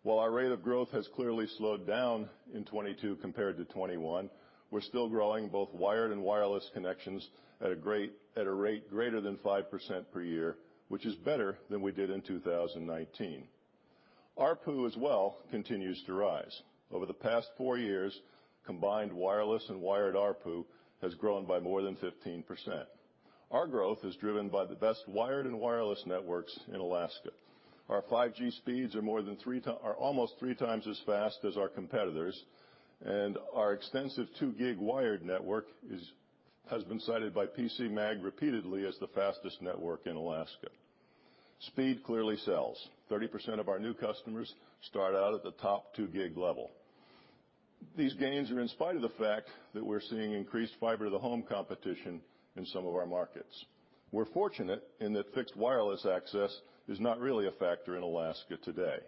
While our rate of growth has clearly slowed down in 2022 compared to 2021, we're still growing both wired and wireless connections at a rate greater than 5% per year, which is better than we did in 2019. ARPU as well continues to rise. Over the past four years, combined wireless and wired ARPU has grown by more than 15%. Our growth is driven by the best wired and wireless networks in Alaska. Our 5G speeds are almost three times as fast as our competitors, and our extensive 2 Gb wired network has been cited by PCMag repeatedly as the fastest network in Alaska. Speed clearly sells. 30% of our new customers start out at the top 2 Gb level. These gains are in spite of the fact that we're seeing increased fiber-to-the-home competition in some of our markets. We're fortunate in that fixed wireless access is not really a factor in Alaska today.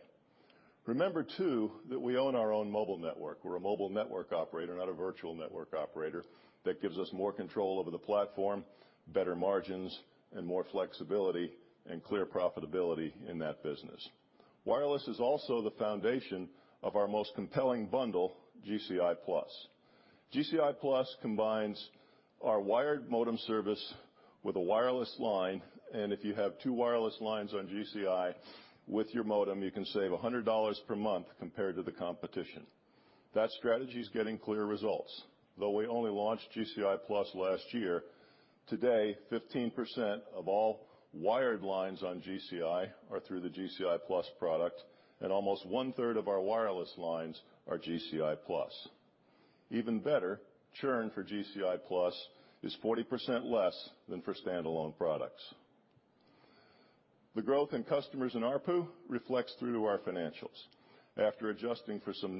Remember, too, that we own our own mobile network. We're a mobile network operator, not a virtual network operator. That gives us more control over the platform, better margins and more flexibility and clear profitability in that business. Wireless is also the foundation of our most compelling bundle, GCI+. GCI+ combines our wired modem service with a wireless line, and if you have two wireless lines on GCI with your modem, you can save $100 per month compared to the competition. That strategy is getting clear results. Though we only launched GCI+ last year, today, 15% of all wired lines on GCI are through the GCI+ product, and almost 1/3 of our wireless lines are GCI+. Even better, churn for GCI+ is 40% less than for standalone products. The growth in customers and ARPU reflects through to our financials. After adjusting for some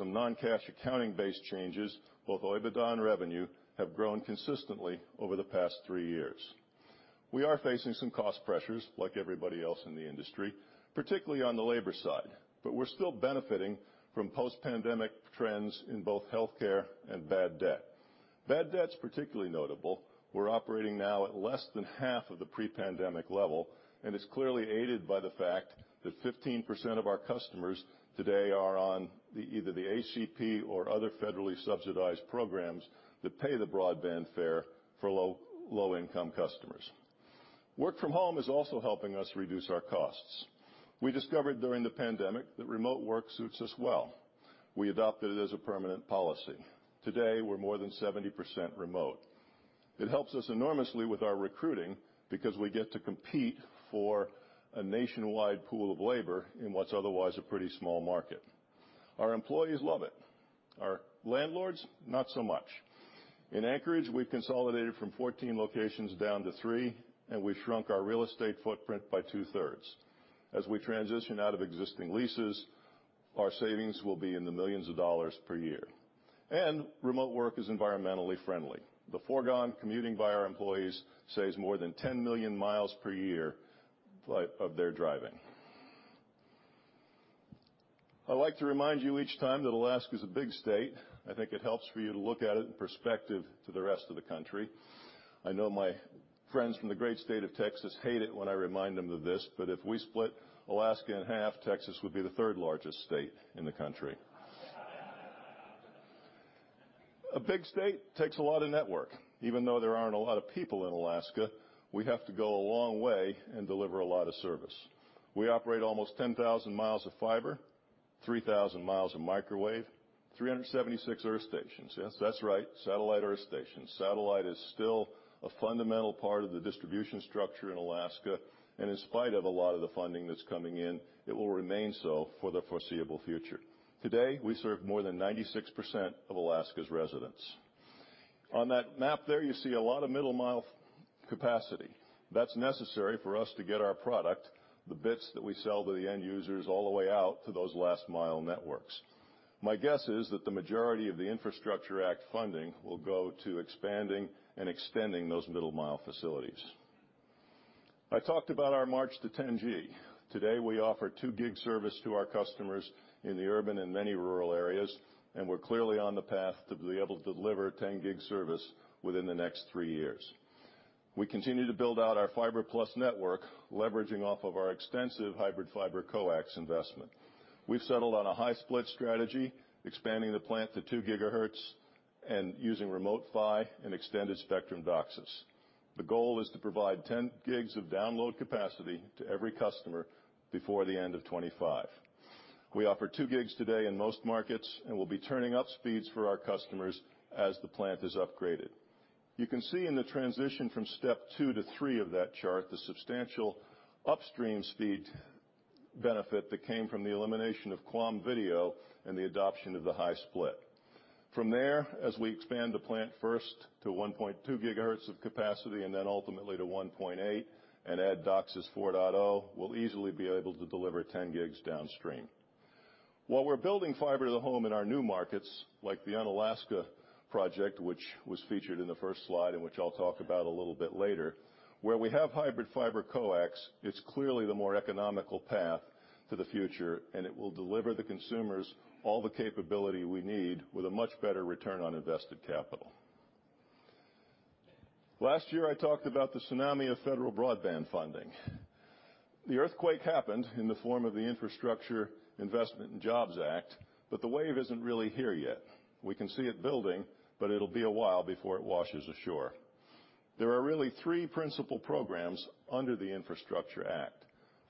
non-cash accounting-based changes, both OIBDA and revenue have grown consistently over the past three years. We are facing some cost pressures like everybody else in the industry, particularly on the labor side, but we're still benefiting from post-pandemic trends in both healthcare and bad debt. Bad debt's particularly notable. We're operating now at less than half of the pre-pandemic level, and it's clearly aided by the fact that fifteen percent of our customers today are on the, either the ACP or other federally subsidized programs that pay the broadband fare for low, low-income customers. Work from home is also helping us reduce our costs. We discovered during the pandemic that remote work suits us well. We adopted it as a permanent policy. Today, we're more than seventy percent remote. It helps us enormously with our recruiting because we get to compete for a nationwide pool of labor in what's otherwise a pretty small market. Our employees love it. Our landlords, not so much. In Anchorage, we've consolidated from fourteen locations down to three, and we've shrunk our real estate footprint by two-thirds. As we transition out of existing leases, our savings will be in the millions of dollars per year. Remote work is environmentally friendly. The foregone commuting by our employees saves more than 10 million mi per year of their driving. I like to remind you each time that Alaska is a big state. I think it helps for you to look at it in perspective to the rest of the country. I know my friends from the great state of Texas hate it when I remind them of this, but if we split Alaska in half, Texas would be the third-largest state in the country. A big state takes a lot of network. Even though there aren't a lot of people in Alaska, we have to go a long way and deliver a lot of service. We operate almost 10,000 mi of fiber, 3,000 mi of microwave, 376 earth stations. Yes, that's right, satellite earth stations. Satellite is still a fundamental part of the distribution structure in Alaska, and in spite of a lot of the funding that's coming in, it will remain so for the foreseeable future. Today, we serve more than 96% of Alaska's residents. On that map there you see a lot of middle mile capacity. That's necessary for us to get our product, the bits that we sell to the end users, all the way out to those last mile networks. My guess is that the majority of the Infrastructure Act funding will go to expanding and extending those middle mile facilities. I talked about our march to 10G. Today, we offer 2 Gb service to our customers in the urban and many rural areas, and we're clearly on the path to be able to deliver 10 Gb service within the next three years. We continue to build out our Fiber+ network, leveraging off of our extensive Hybrid Fiber Coax investment. We've settled on a high-split strategy, expanding the plant to 2 GHz and using remote PHY and Extended Spectrum DOCSIS. The goal is to provide 10 Gb of download capacity to every customer before the end of 2025. We offer 2 Gb today in most markets, and we'll be turning up speeds for our customers as the plant is upgraded. You can see in the transition from step two to three of that chart, the substantial upstream speed benefit that came from the elimination of QAM video and the adoption of the high-split. From there, as we expand the plant first to 1.2 GHz of capacity and then ultimately to 1.8 GHz and add DOCSIS 4.0, we'll easily be able to deliver 10 Gb downstream. While we're building fiber to the home in our new markets, like the Unalaska project, which was featured in the first slide, and which I'll talk about a little bit later, where we have Hybrid Fiber Coax, it's clearly the more economical path to the future, and it will deliver the consumers all the capability we need with a much better return on invested capital. Last year, I talked about the tsunami of federal broadband funding. The earthquake happened in the form of the Infrastructure Investment and Jobs Act, but the wave isn't really here yet. We can see it building, but it'll be a while before it washes ashore. There are really three principal programs under the Infrastructure Act.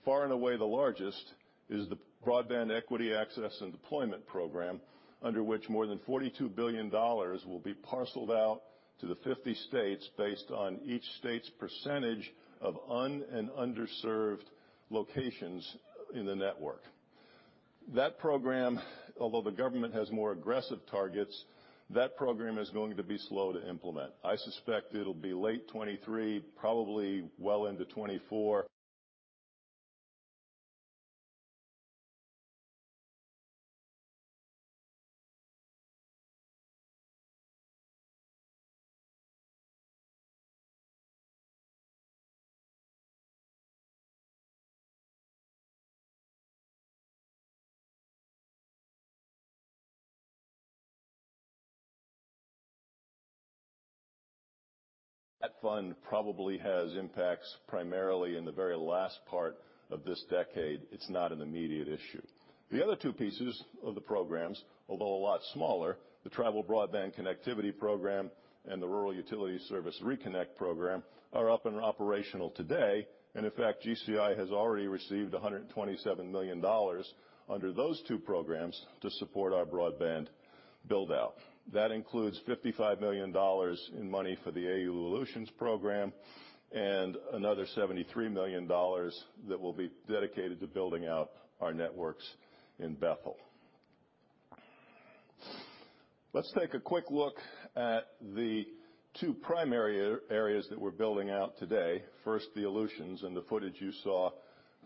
Far and away the largest is the Broadband Equity, Access, and Deployment Program, under which more than $42 billion will be parceled out to the 50 states based on each state's percentage of un- and underserved locations in the network. That program, although the government has more aggressive targets, that program is going to be slow to implement. I suspect it'll be late 2023, probably well into 2024. That fund probably has impacts primarily in the very last part of this decade. It's not an immediate issue. The other two pieces of the programs, although a lot smaller, the Tribal Broadband Connectivity Program and the Rural Utilities Service ReConnect Program, are up and operational today. In fact, GCI has already received $127 million under those two programs to support our broadband build-out. That includes $55 million in money for the AU-Aleutians program and another $73 million that will be dedicated to building out our networks in Bethel. Let's take a quick look at the two primary areas that we're building out today. First, the Aleutians. The footage you saw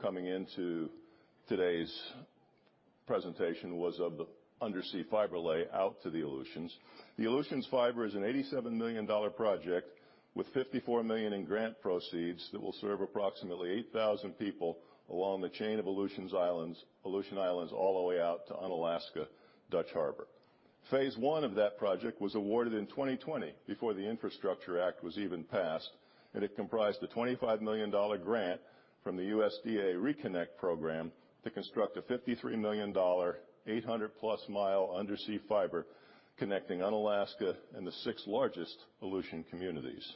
coming into today's presentation was of the undersea fiber layout to the Aleutians. Aleutians Fiber is an $87 million project with $54 million in grant proceeds that will serve approximately 8,000 people along the chain of Aleutian Islands, all the way out to Unalaska, Dutch Harbor. Phase one of that project was awarded in 2020 before the Infrastructure Act was even passed, and it comprised a $25 million grant from the USDA ReConnect Program to construct a $53 million, 800+-mi undersea fiber connecting Unalaska and the six largest Aleutian communities.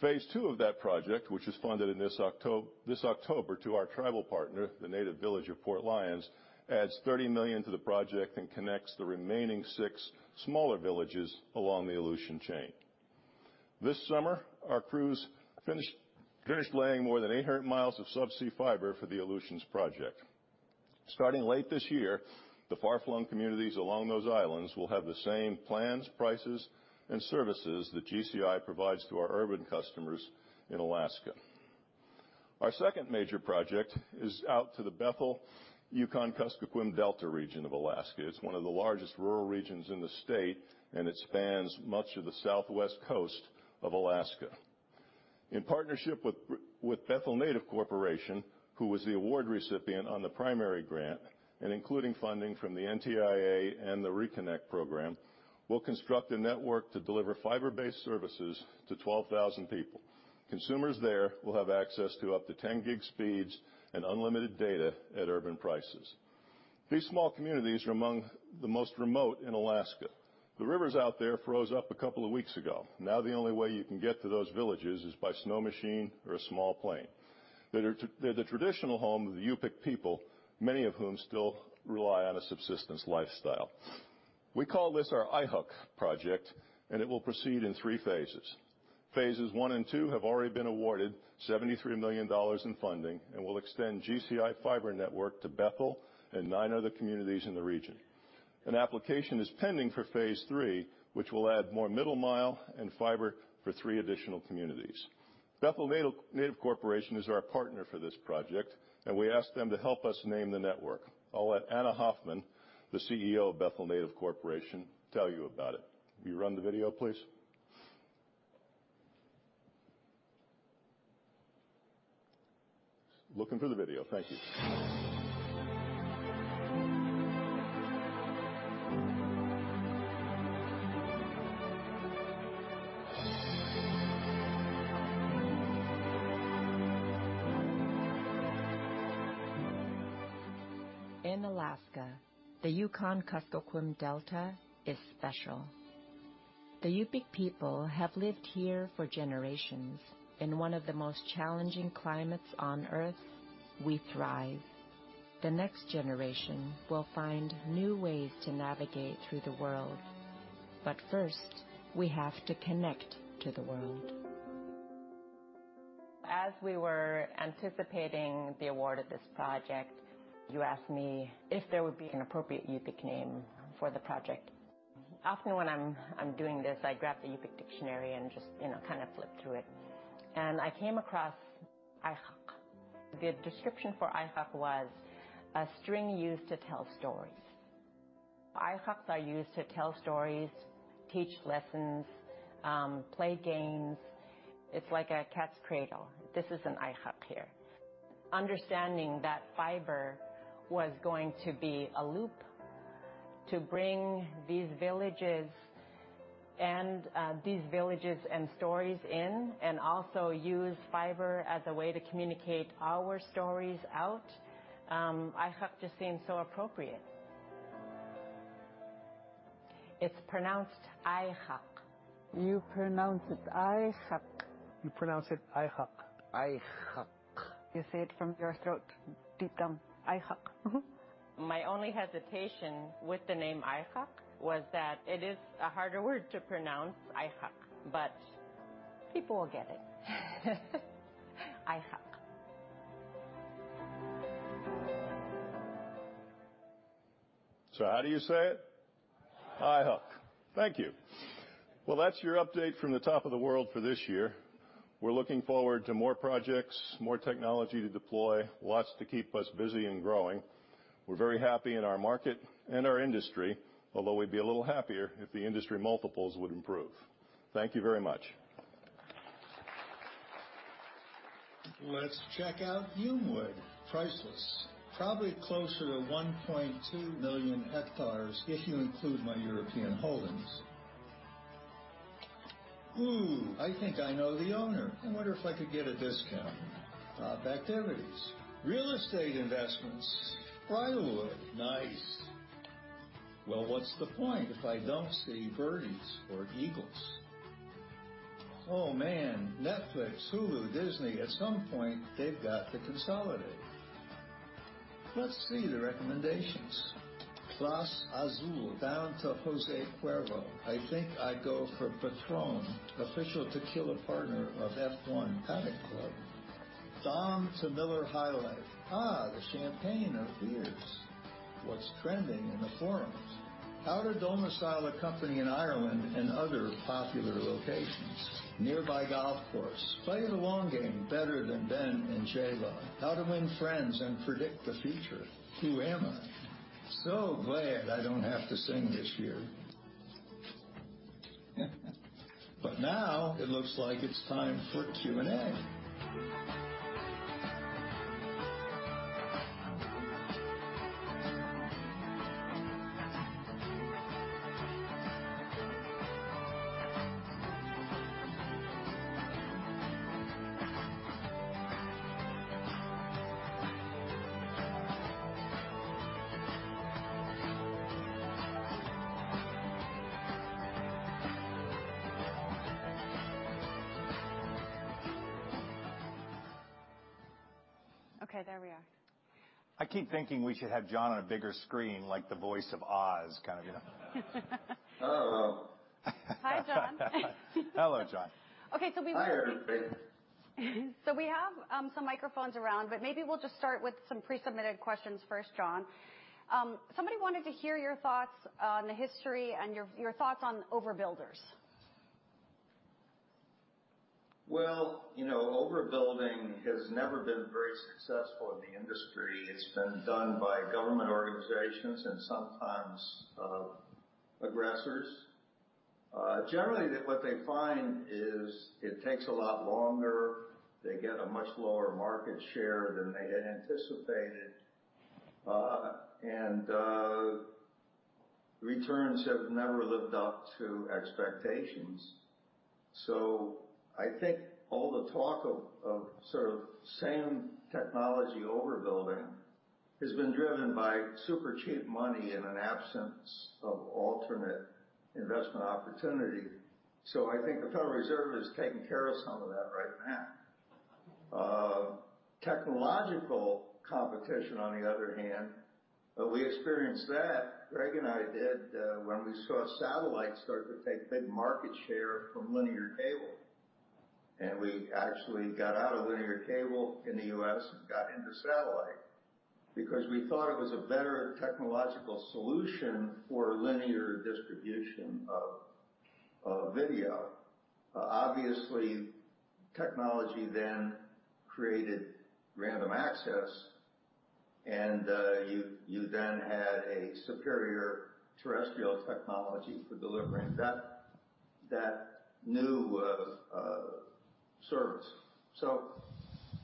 Phase two of that project, which was funded in this October to our tribal partner, the Native Village of Port Lions, adds $30 million to the project and connects the remaining six smaller villages along the Aleutian chain. This summer, our crews finished laying more than 800 mi of sub-sea fiber for the Aleutians project. Starting late this year, the far-flung communities along those islands will have the same plans, prices, and services that GCI provides to our urban customers in Alaska. Our second major project is out to the Bethel, Yukon-Kuskokwim Delta region of Alaska. It's one of the largest rural regions in the state, and it spans much of the southwest coast of Alaska. In partnership with Bethel Native Corporation, who was the award recipient on the primary grant, and including funding from the NTIA and the ReConnect Program, we'll construct a network to deliver fiber-based services to 12,000 people. Consumers there will have access to up to 10 Gb speeds and unlimited data at urban prices. These small communities are among the most remote in Alaska. The rivers out there froze up a couple of weeks ago. Now, the only way you can get to those villages is by snow machine or a small plane. They're the traditional home of the Yupik people, many of whom still rely on a subsistence lifestyle. We call this our iHuq project, and it will proceed in three phases. Phase I and phase II have already been awarded $73 million in funding and will extend GCI fiber network to Bethel and nine other communities in the region. An application is pending for phase III, which will add more middle mile and fiber for three additional communities. Bethel Native Corporation is our partner for this project, and we asked them to help us name the network. I'll let Ana Hoffman, the CEO of Bethel Native Corporation, tell you about it. Will you run the video, please? Looking for the video. Thank you. In Alaska, the Yukon-Kuskokwim Delta is special. The Yupik people have lived here for generations. In one of the most challenging climates on Earth, we thrive. The next generation will find new ways to navigate through the world. First, we have to connect to the world. As we were anticipating the award of this project, you asked me if there would be an appropriate Yupik name for the project. Often when I'm doing this, I grab the Yupik dictionary and just, you know, kind of flip through it. I came across Airraq. The description for Airraq was a string used to tell stories. Airraq are used to tell stories, teach lessons, play games. It's like a cat's cradle. This is an Airraq here. Understanding that fiber was going to be a loop to bring these villages and stories in, and also use fiber as a way to communicate our stories out, Airraq just seemed so appropriate. It's pronounced Airraq. You pronounce it Airraq. You pronounce it Airraq. Airraq. You say it from your throat, deep down. Airraq. Mm-hmm. My only hesitation with the name Airraq was that it is a harder word to pronounce. Airraq. People will get it. Airraq. How do you say it? Airraq. Airraq. Thank you. Well, that's your update from the top of the world for this year. We're looking forward to more projects, more technology to deploy, lots to keep us busy and growing. We're very happy in our market and our industry, although we'd be a little happier if the industry multiples would improve. Thank you very much. Let's check out Humewood. Priceless. Probably closer to 1.2 million hectares if you include my European holdings. Ooh, I think I know the owner. I wonder if I could get a discount. Activities. Real estate investments. Briarwood. Nice. Well, what's the point if I don't see birdies or eagles? Oh, man. Netflix, Hulu, Disney. At some point, they've got to consolidate. Let's see the recommendations. Clase Azul down to Jose Cuervo. I think I go for Patrón, official tequila partner of F1 Paddock Club. Dom to Miller High Life. The Champagne of Beers. What's trending in the forums? How to domicile a company in Ireland and other popular locations. Nearby golf course. Play the long game better than Ben and Shayla. How to win friends and predict the future. Who am I? So glad I don't have to sing this year. Now it looks like it's time for Q&A. Okay, there we are. I keep thinking we should have John on a bigger screen, like the voice of Oz, kind of, you know. Hello. Hi, John. Hello, John. Okay. Hi, everybody. We have some microphones around, but maybe we'll just start with some pre-submitted questions first, John. Somebody wanted to hear your thoughts on the history and your thoughts on overbuilders. Well, you know, overbuilding has never been very successful in the industry. It's been done by government organizations and sometimes aggressors. Generally, what they find is it takes a lot longer. They get a much lower market share than they had anticipated. Returns have never lived up to expectations. I think all the talk of sort of same technology overbuilding has been driven by super cheap money in an absence of alternate investment opportunity. I think the Federal Reserve is taking care of some of that right now. Technological competition, on the other hand, we experienced that, Greg and I did, when we saw satellite start to take big market share from linear cable. We actually got out of linear cable in the U.S. and got into satellite because we thought it was a better technological solution for linear distribution of video. Obviously, technology then created random access, and you then had a superior terrestrial technology for delivering that new service.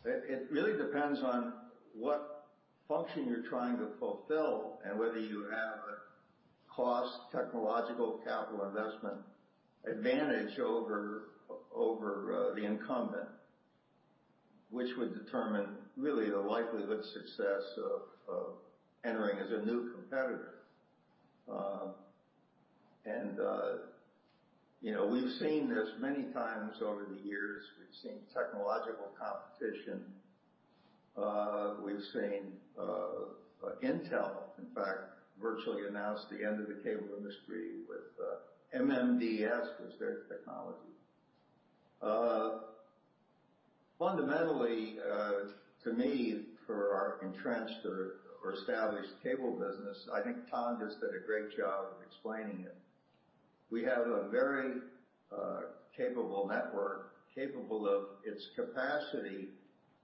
It really depends on what function you're trying to fulfill and whether you have a cost technological capital investment advantage over the incumbent, which would determine really the likelihood success of entering as a new competitor. You know, we've seen this many times over the years. We've seen technological competition. We've seen Intel, in fact, virtually announce the end of the cable industry with MMDS was their technology. Fundamentally, to me for our entrenched or established cable business, I think Tom just did a great job of explaining it. We have a very capable network, capable of its capacity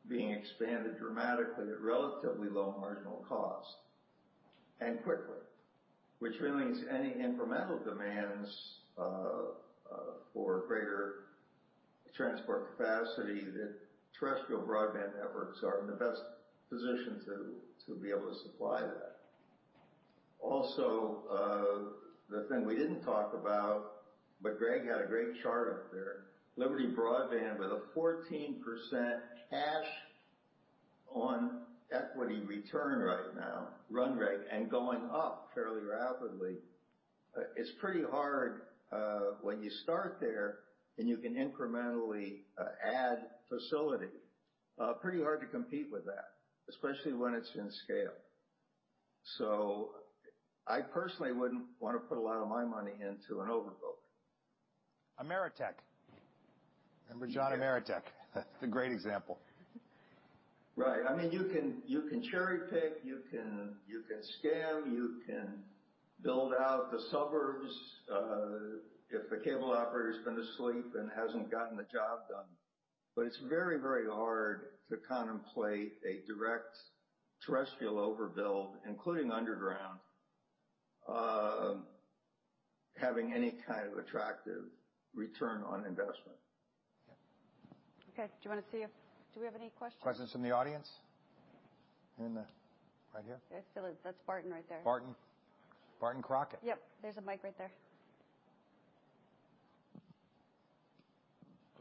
being expanded dramatically at relatively low marginal cost and quickly, which really means any incremental demands for greater transport capacity, the terrestrial broadband networks are in the best position to be able to supply that. Also, the thing we didn't talk about, but Greg had a great chart up there. Liberty Broadband with a 14% cash on equity return right now, run rate, and going up fairly rapidly. It's pretty hard when you start there, and you can incrementally add facility. Pretty hard to compete with that, especially when it's in scale. I personally wouldn't wanna put a lot of my money into an overbuild. Ameritech. Remember John Ameritech? That's a great example. Right. I mean, you can cherry-pick, you can skim, you can build out the suburbs if the cable operator's been asleep and hasn't gotten the job done. It's very, very hard to contemplate a direct terrestrial overbuild, including underground, having any kind of attractive return on investment. Yeah. Okay. Do we have any questions? Questions from the audience? Right here. There still is. That's Barton right there. Barton Crockett. Yep. There's a mic right there.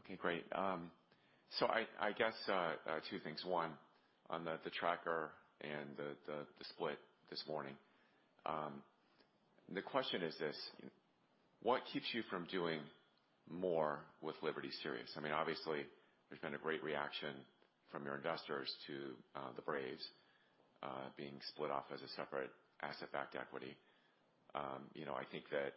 Okay, great. I guess two things. One, on the tracker and the split this morning. The question is this. What keeps you from doing more with Liberty SiriusXM? I mean, obviously, there's been a great reaction from your investors to the Braves being split-off as a separate asset-backed equity. You know, I think there's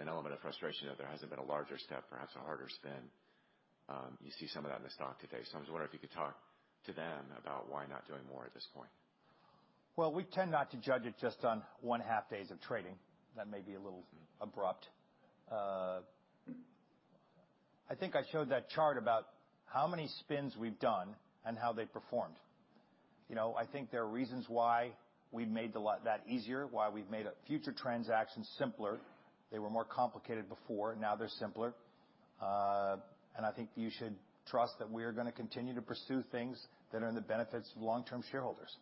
an element of frustration that there hasn't been a larger step, perhaps a harder spin. You see some of that in the stock today. I'm just wondering if you could talk to them about why not doing more at this point. Well, we tend not to judge it just on one half days of trading. That may be a little abrupt. I think I showed that chart about how many spins we've done and how they performed. You know, I think there are reasons why we've made that easier, why we've made a future transaction simpler. They were more complicated before, now they're simpler. I think you should trust that we are gonna continue to pursue things that are in the benefits of long-term shareholders.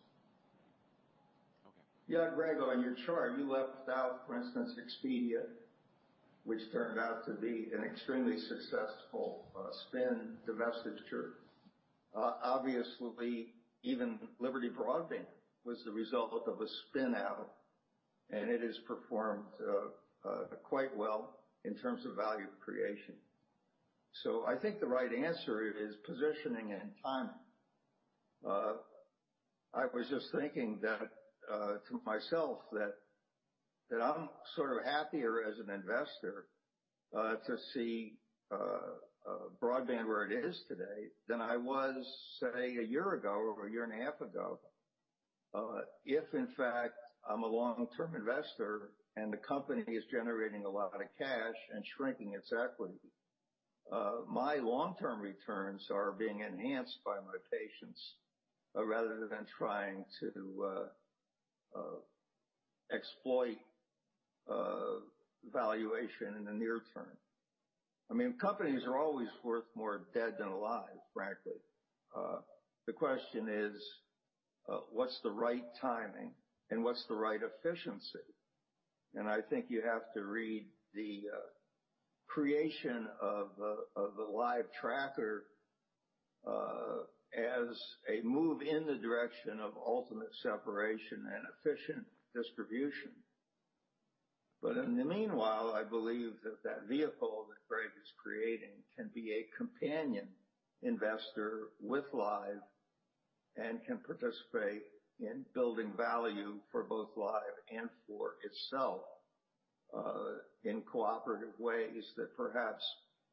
Okay. Yeah, Greg, on your chart, you left out, for instance, Expedia, which turned out to be an extremely successful spin divestiture. Obviously, even Liberty Broadband was the result of a spin out, and it has performed quite well in terms of value creation. I think the right answer is positioning and timing. I was just thinking to myself that I'm sort of happier as an investor to see broadband where it is today than I was, say, a year ago or a year and a half ago. If in fact, I'm a long-term investor and the company is generating a lot of cash and shrinking its equity, my long-term returns are being enhanced by my patience, rather than trying to exploit valuation in the near term. I mean, companies are always worth more dead than alive, frankly. The question is what's the right timing and what's the right efficiency? I think you have to read the creation of the Live tracker as a move in the direction of ultimate separation and efficient distribution. In the meanwhile, I believe that that vehicle that Greg is creating can be a companion investor with Live and can participate in building value for both Live and for itself in cooperative ways that perhaps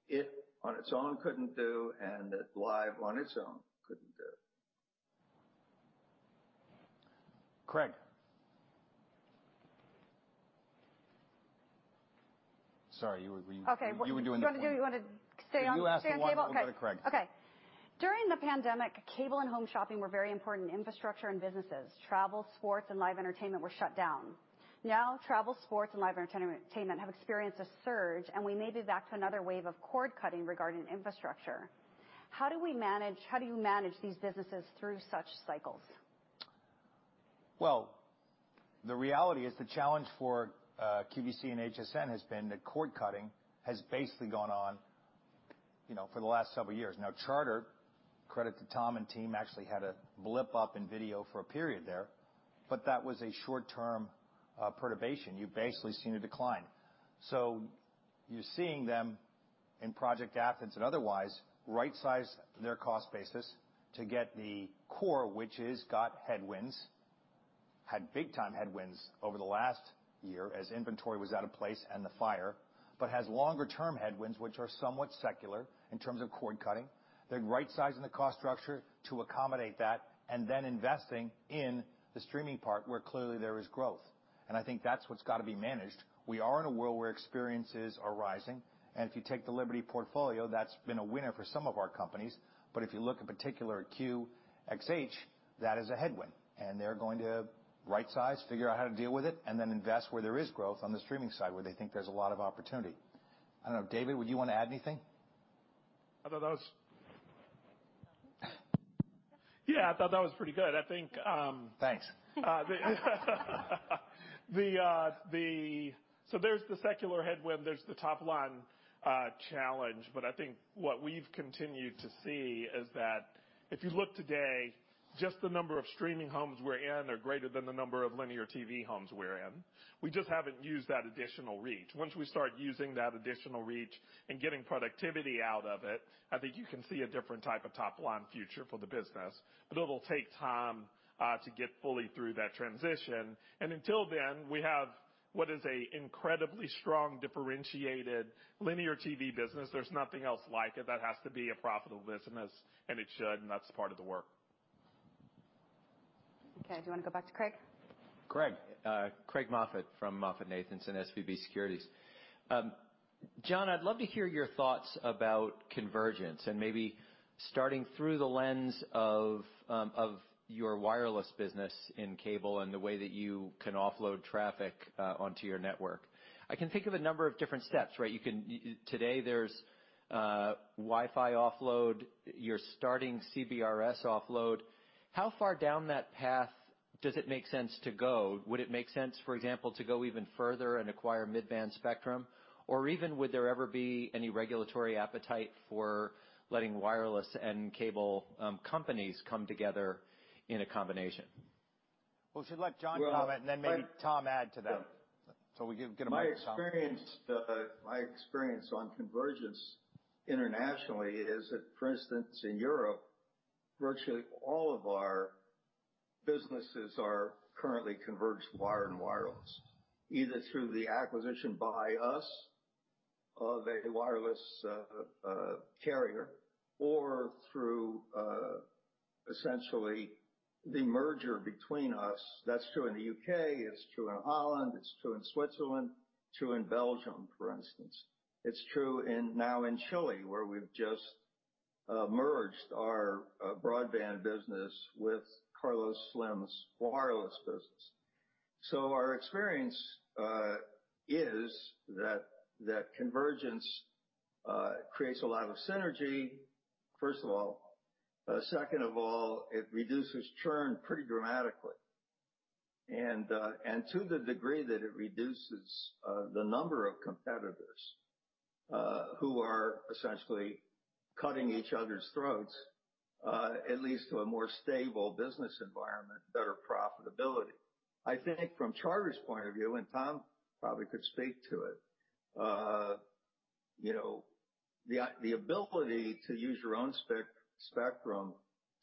it, on its own, couldn't do and that Live on its own couldn't do. Greg, sorry, you were leaving. Okay. You wanna stay on the table? You ask the one. We'll go to Greg. Okay. During the pandemic, cable and home shopping were very important infrastructure and businesses. Travel, sports, and live entertainment were shut down. Now, travel, sports, and live entertainment have experienced a surge, and we may be back to another wave of cord-cutting regarding infrastructure. How do you manage these businesses through such cycles? Well, the reality is the challenge for QVC and HSN has been that cord-cutting has basically gone on, you know, for the last several years. Now, Charter, credit to Tom and team, actually had a blip up in video for a period there, but that was a short-term perturbation. You've basically seen a decline. You're seeing them in Project Athens and otherwise right-size their cost basis to get the core, which has got headwinds. Had big-time headwinds over the last year as inventory was out of place and the fire, but has longer-term headwinds which are somewhat secular in terms of cord-cutting. They're right-sizing the cost structure to accommodate that and then investing in the streaming part where clearly there is growth. I think that's what's gotta be managed. We are in a world where experiences are rising, and if you take the Liberty portfolio, that's been a winner for some of our companies. If you look in particular at QxH, that is a headwind, and they're going to right-size, figure out how to deal with it, and then invest where there is growth on the streaming side, where they think there's a lot of opportunity. I don't know. David, would you wanna add anything? I thought that was. Yeah. Yeah, I thought that was pretty good. Thanks. There's the secular headwind, there's the top-line challenge. I think what we've continued to see is that if you look today, just the number of streaming homes we're in are greater than the number of linear T.V. homes we're in. We just haven't used that additional reach. Once we start using that additional reach and getting productivity out of it, I think you can see a different type of top-line future for the business. It'll take time to get fully through that transition. Until then, we have what is a incredibly strong differentiated linear T.V. business. There's nothing else like it. That has to be a profitable business, and it should, and that's part of the work. Okay. Do you wanna go back to Craig? Craig Moffett from MoffettNathanson / SVB Securities. John, I'd love to hear your thoughts about convergence and maybe starting through the lens of your wireless business in cable and the way that you can offload traffic onto your network. I can think of a number of different steps, right? Today there's Wi-Fi offload. You're starting CBRS offload. How far down that path does it make sense to go? Would it make sense, for example, to go even further and acquire mid-band spectrum? Even, would there ever be any regulatory appetite for letting wireless and cable companies come together in a combination? Well, if you let John comment and then maybe Tom add to that. Will you get a mic to Tom? My experience on convergence internationally is that, for instance, in Europe, virtually all of our businesses are currently converged wire and wireless, either through the acquisition by us of a wireless carrier or through essentially the merger between us. That's true in the U.K., it's true in Holland, it's true in Switzerland, true in Belgium, for instance. It's true now in Chile, where we've just merged our broadband business with Carlos Slim's wireless business. Our experience is that convergence creates a lot of synergy, first of all. Second of all, it reduces churn pretty dramatically. To the degree that it reduces the number of competitors who are essentially cutting each other's throats, it leads to a more stable business environment, better profitability. I think from Charter's point of view, and Tom probably could speak to it, uh, you know, the ability to use your own spec-- spectrum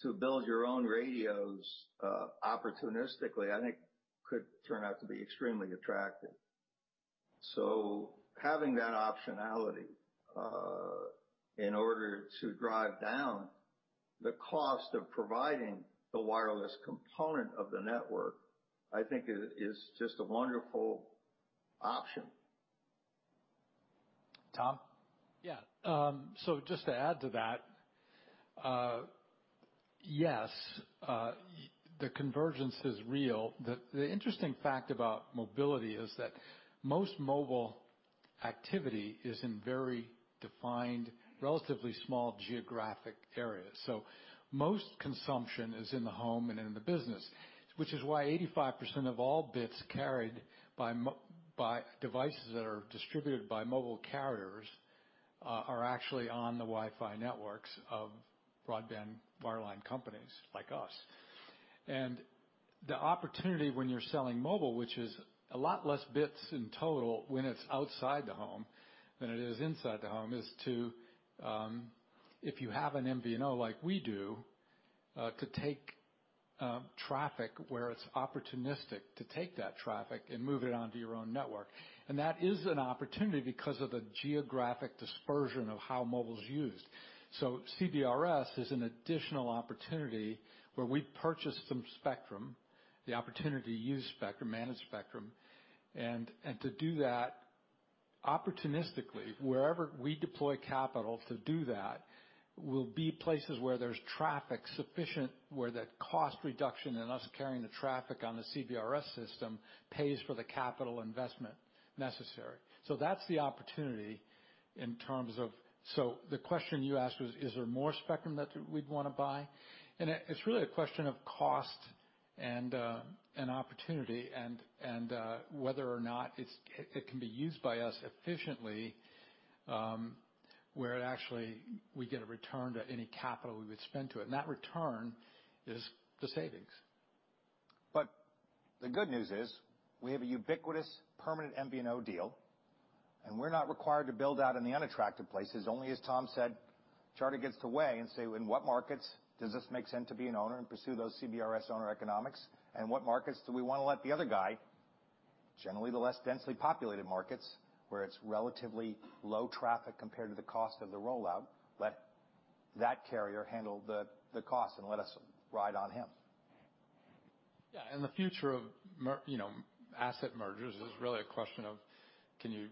to build your own radios, uh, opportunistically, I think could turn out to be extremely attractive. So having that optionality, uh, in order to drive down the cost of providing the wireless component of the network, I think is just a wonderful option Tom? Yeah. Just to add to that, yes, the convergence is real. The interesting fact about mobility is that most mobile activity is in very defined, relatively small geographic areas. Most consumption is in the home and in the business, which is why 85% of all bits carried by devices that are distributed by mobile carriers are actually on the Wi-Fi networks of broadband wireline companies like us. The opportunity when you're selling mobile, which is a lot less bits in total when it's outside the home than it is inside the home, is to, if you have an MVNO like we do, to take traffic where it's opportunistic, to take that traffic and move it onto your own network. That is an opportunity because of the geographic dispersion of how mobile's used. CBRS is an additional opportunity where we purchase some spectrum, the opportunity to use spectrum, manage spectrum, and to do that opportunistically. Wherever we deploy capital to do that will be places where there's traffic sufficient where that cost reduction and us carrying the traffic on the CBRS system pays for the capital investment necessary. That's the opportunity. The question you asked was, is there more spectrum that we'd wanna buy? It's really a question of cost and opportunity and whether or not it can be used by us efficiently, where actually we get a return to any capital we would spend to it, and that return is the savings. The good news is we have a ubiquitous permanent MVNO deal, and we're not required to build out in the unattractive places. Only, as Tom said, Charter gets to weigh and say, "In what markets does this make sense to be an owner and pursue those CBRS economics, and what markets do we wanna let the other guy, generally the less densely populated markets, where it's relatively low traffic compared to the cost of the rollout, let that carrier handle the cost and let us ride on him? Yeah. The future of, you know, asset mergers is really a question of can you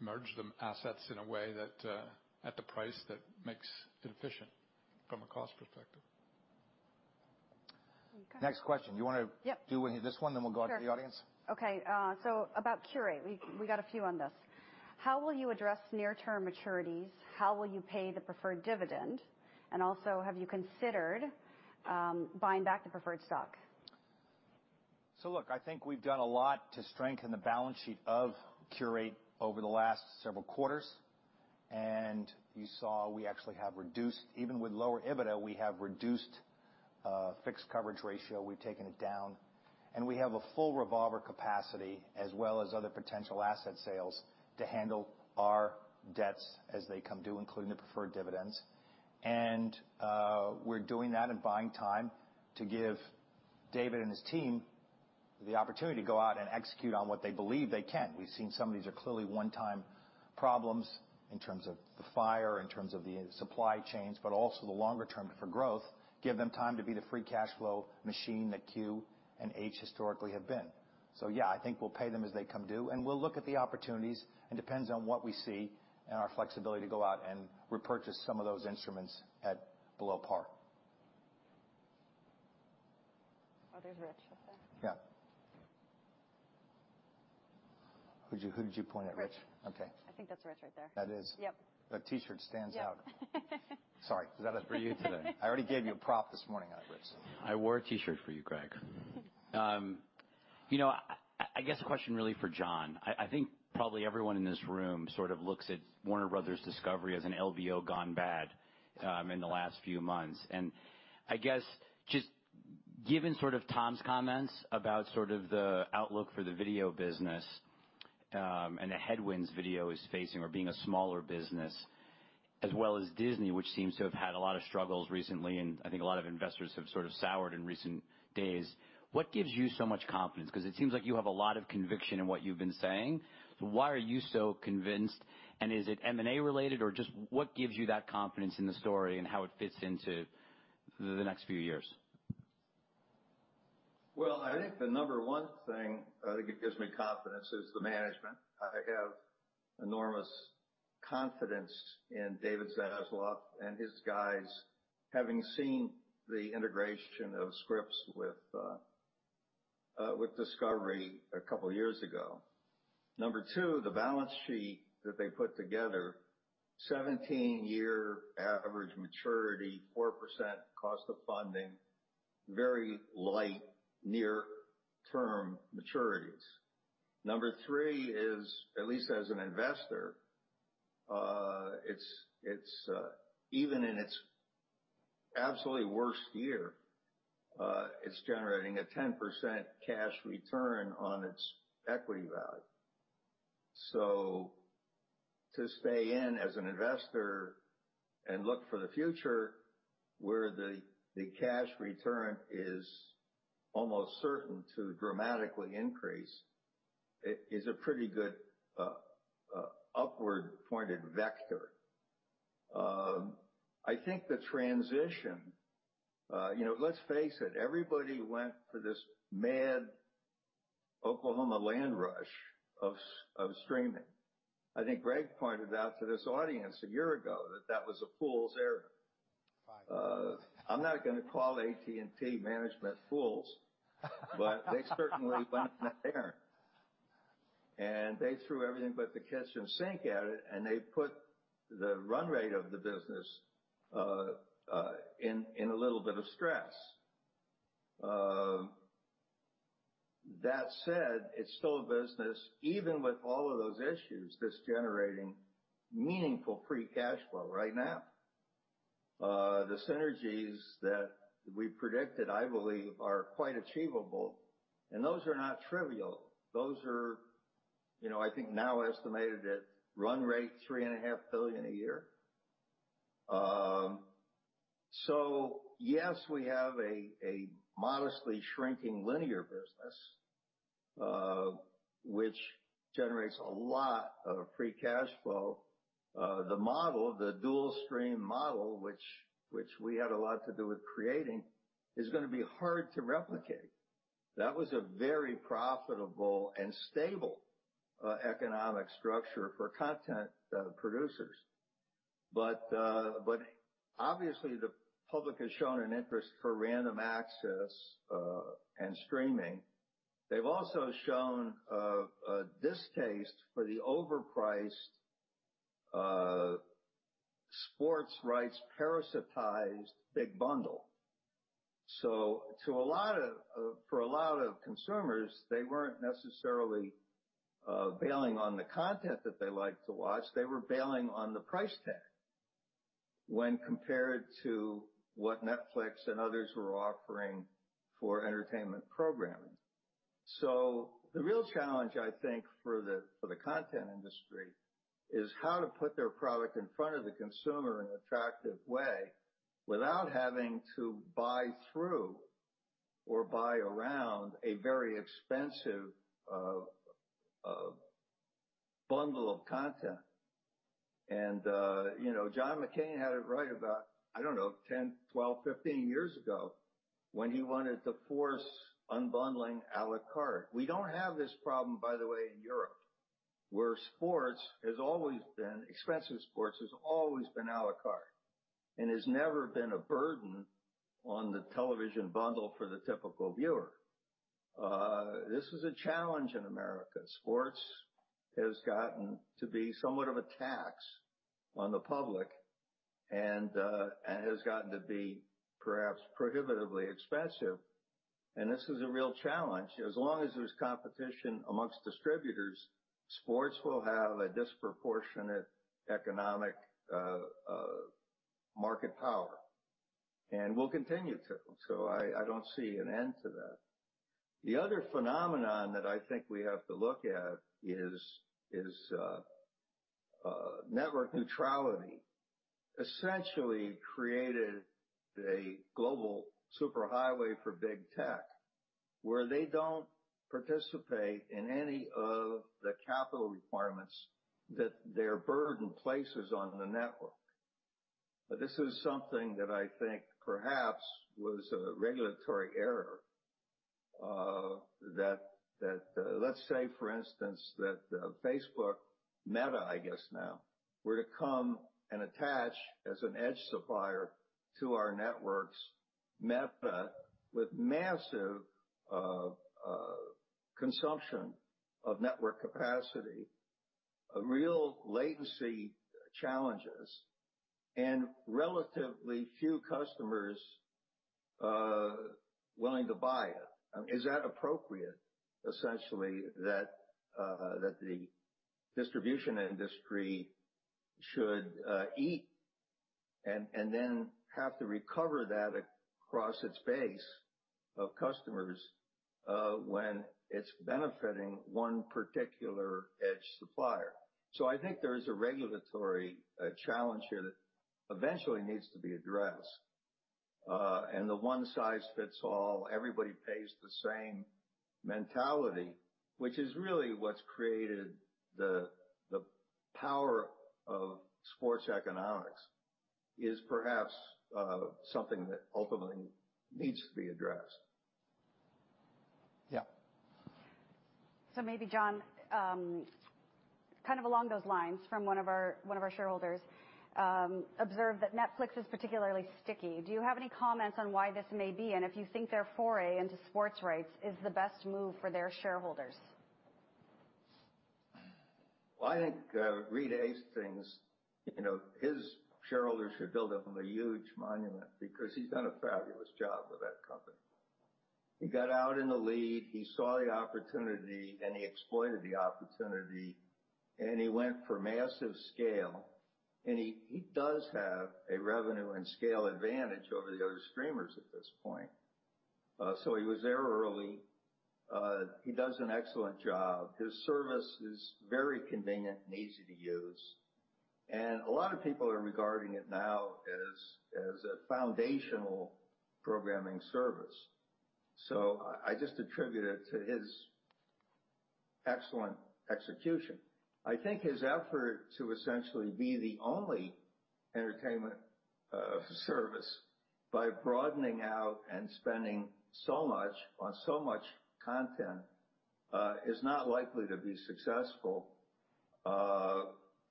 merge the assets in a way that at the price that makes it efficient from a cost perspective. Okay. Next question. Yep. Do this one, then we'll go out to the audience. Sure. Okay. About Qurate, we got a few on this. How will you address near-term maturities? How will you pay the preferred dividend? Also, have you considered buying back the preferred stock? Look, I think we've done a lot to strengthen the balance sheet of Qurate over the last several quarters. You saw we actually have reduced, even with lower EBITDA, fixed coverage ratio, we've taken it down, and we have a full revolver capacity as well as other potential asset sales to handle our debts as they come due, including the preferred dividends. We're doing that and buying time to give David and his team the opportunity to go out and execute on what they believe they can. We've seen some of these are clearly one-time problems in terms of the fire, in terms of the supply chains, but also the longer term for growth. Give them time to be the free cash flow machine that QxH historically have been. Yeah, I think we'll pay them as they come due, and we'll look at the opportunities and depends on what we see and our flexibility to go out and repurchase some of those instruments at below par. Oh, there's Rich. Yeah. Who'd you point at, Rich? Rich. Okay. I think that's Rich right there. That is. Yep. That T-shirt stands out. Yep. Sorry. Was that a for you today? I already gave you a prop this morning on it, Rich. I wore a T-shirt for you, Greg. You know, I guess a question really for John. I think probably everyone in this room sort of looks at Warner Bros. Discovery as an LBO gone bad in the last few months. I guess just given sort of Tom's comments about sort of the outlook for the video business and the headwinds video is facing or being a smaller business, as well as Disney, which seems to have had a lot of struggles recently, and I think a lot of investors have sort of soured in recent days. What gives you so much confidence? 'Cause it seems like you have a lot of conviction in what you've been saying. Why are you so convinced, and is it M&A-related or just what gives you that confidence in the story and how it fits into the next few years? Well, I think the number one thing that I think it gives me confidence is the management. I have enormous confidence in David Zaslav and his guys, having seen the integration of Scripps with Discovery a couple years ago. Number two, the balance sheet that they put together, 17-year average maturity, 4% cost of funding, very light near-term maturities. Number three is, at least as an investor, even in its absolutely worst year, it's generating a 10% cash return on its equity value. To stay in as an investor and look for the future where the cash return is almost certain to dramatically increase is a pretty good upward pointed vector. I think the transition, you know, let's face it, everybody went for this mad Oklahoma land rush of streaming. I think Greg pointed out to this audience a year ago that that was a fool's errand. Five years ago. I'm not gonna call AT&T management fools. They certainly went in there, and they threw everything but the kitchen sink at it, and they put the run rate of the business in a little bit of stress. That said, it's still a business, even with all of those issues, that's generating meaningful free cash flow right now. The synergies that we predicted, I believe, are quite achievable, and those are not trivial. Those are, you know, I think now estimated at run rate $3.5 billion a year. Yes, we have a modestly shrinking linear business which generates a lot of free cash flow. The model, the dual stream model, which we had a lot to do with creating, is gonna be hard to replicate. That was a very profitable and stable economic structure for content producers. Obviously the public has shown an interest for random access and streaming. They've also shown a distaste for the overpriced sports rights parasitized big bundle. For a lot of consumers, they weren't necessarily bailing on the content that they liked to watch. They were bailing on the price tag when compared to what Netflix and others were offering for entertainment programming. The real challenge, I think, for the content industry, is how to put their product in front of the consumer in an attractive way without having to buy through or buy around a very expensive bundle of content. You know, John McCain had it right about, I don't know, 10, 12, 15 years ago, when he wanted to force unbundling à la carte. We don't have this problem, by the way, in Europe, where sports has always been, expensive sports, has always been à la carte and has never been a burden on the television bundle for the typical viewer. This is a challenge in America. Sports has gotten to be somewhat of a tax on the public and has gotten to be perhaps prohibitively expensive. This is a real challenge. As long as there's competition amongst distributors, sports will have a disproportionate economic market power and will continue to. I don't see an end to that. The other phenomenon that I think we have to look at is network neutrality essentially created a global superhighway for big tech, where they don't participate in any of the capital requirements that their burden places on the network. This is something that I think perhaps was a regulatory error. Let's say, for instance, that Facebook, Meta, I guess now, were to come and attach as an edge supplier to our networks, Meta with massive consumption of network capacity, a real latency challenges, and relatively few customers willing to buy it. Is that appropriate, essentially, that the distribution industry should eat and then have to recover that across its base of customers when it's benefiting one particular edge supplier? I think there is a regulatory challenge here that eventually needs to be addressed. The one-size-fits-all, everybody pays the same mentality, which is really what's created the power of sports economics, is perhaps something that ultimately needs to be addressed. Yeah. Maybe, John, kind of along those lines from one of our shareholders observed that Netflix is particularly sticky. Do you have any comments on why this may be, and if you think their foray into sports rights is the best move for their shareholders? Well, I think Reed Hastings, you know, his shareholders should build him a huge monument because he's done a fabulous job with that company. He got out in the lead, he saw the opportunity, and he exploited the opportunity, and he went for massive scale. He does have a revenue and scale advantage over the other streamers at this point. He was there early. He does an excellent job. His service is very convenient and easy to use, and a lot of people are regarding it now as a foundational programming service. I just attribute it to his excellent execution. I think his effort to essentially be the only entertainment service by broadening out and spending so much on so much content is not likely to be successful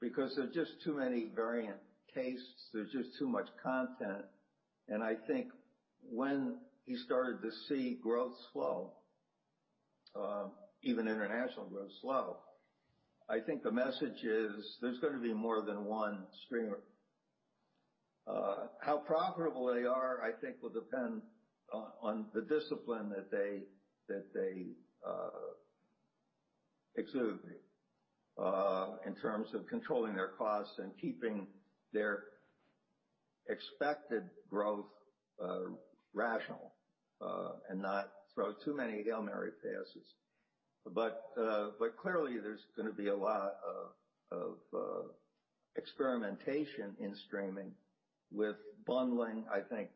because there are just too many variant tastes, there's just too much content. I think when he started to see growth slow, even international growth slow, I think the message is there's gonna be more than one streamer. How profitable they are, I think, will depend on the discipline that they exude in terms of controlling their costs and keeping their expected growth rational and not throw too many Hail Mary passes. Clearly, there's gonna be a lot of experimentation in streaming with bundling, I think.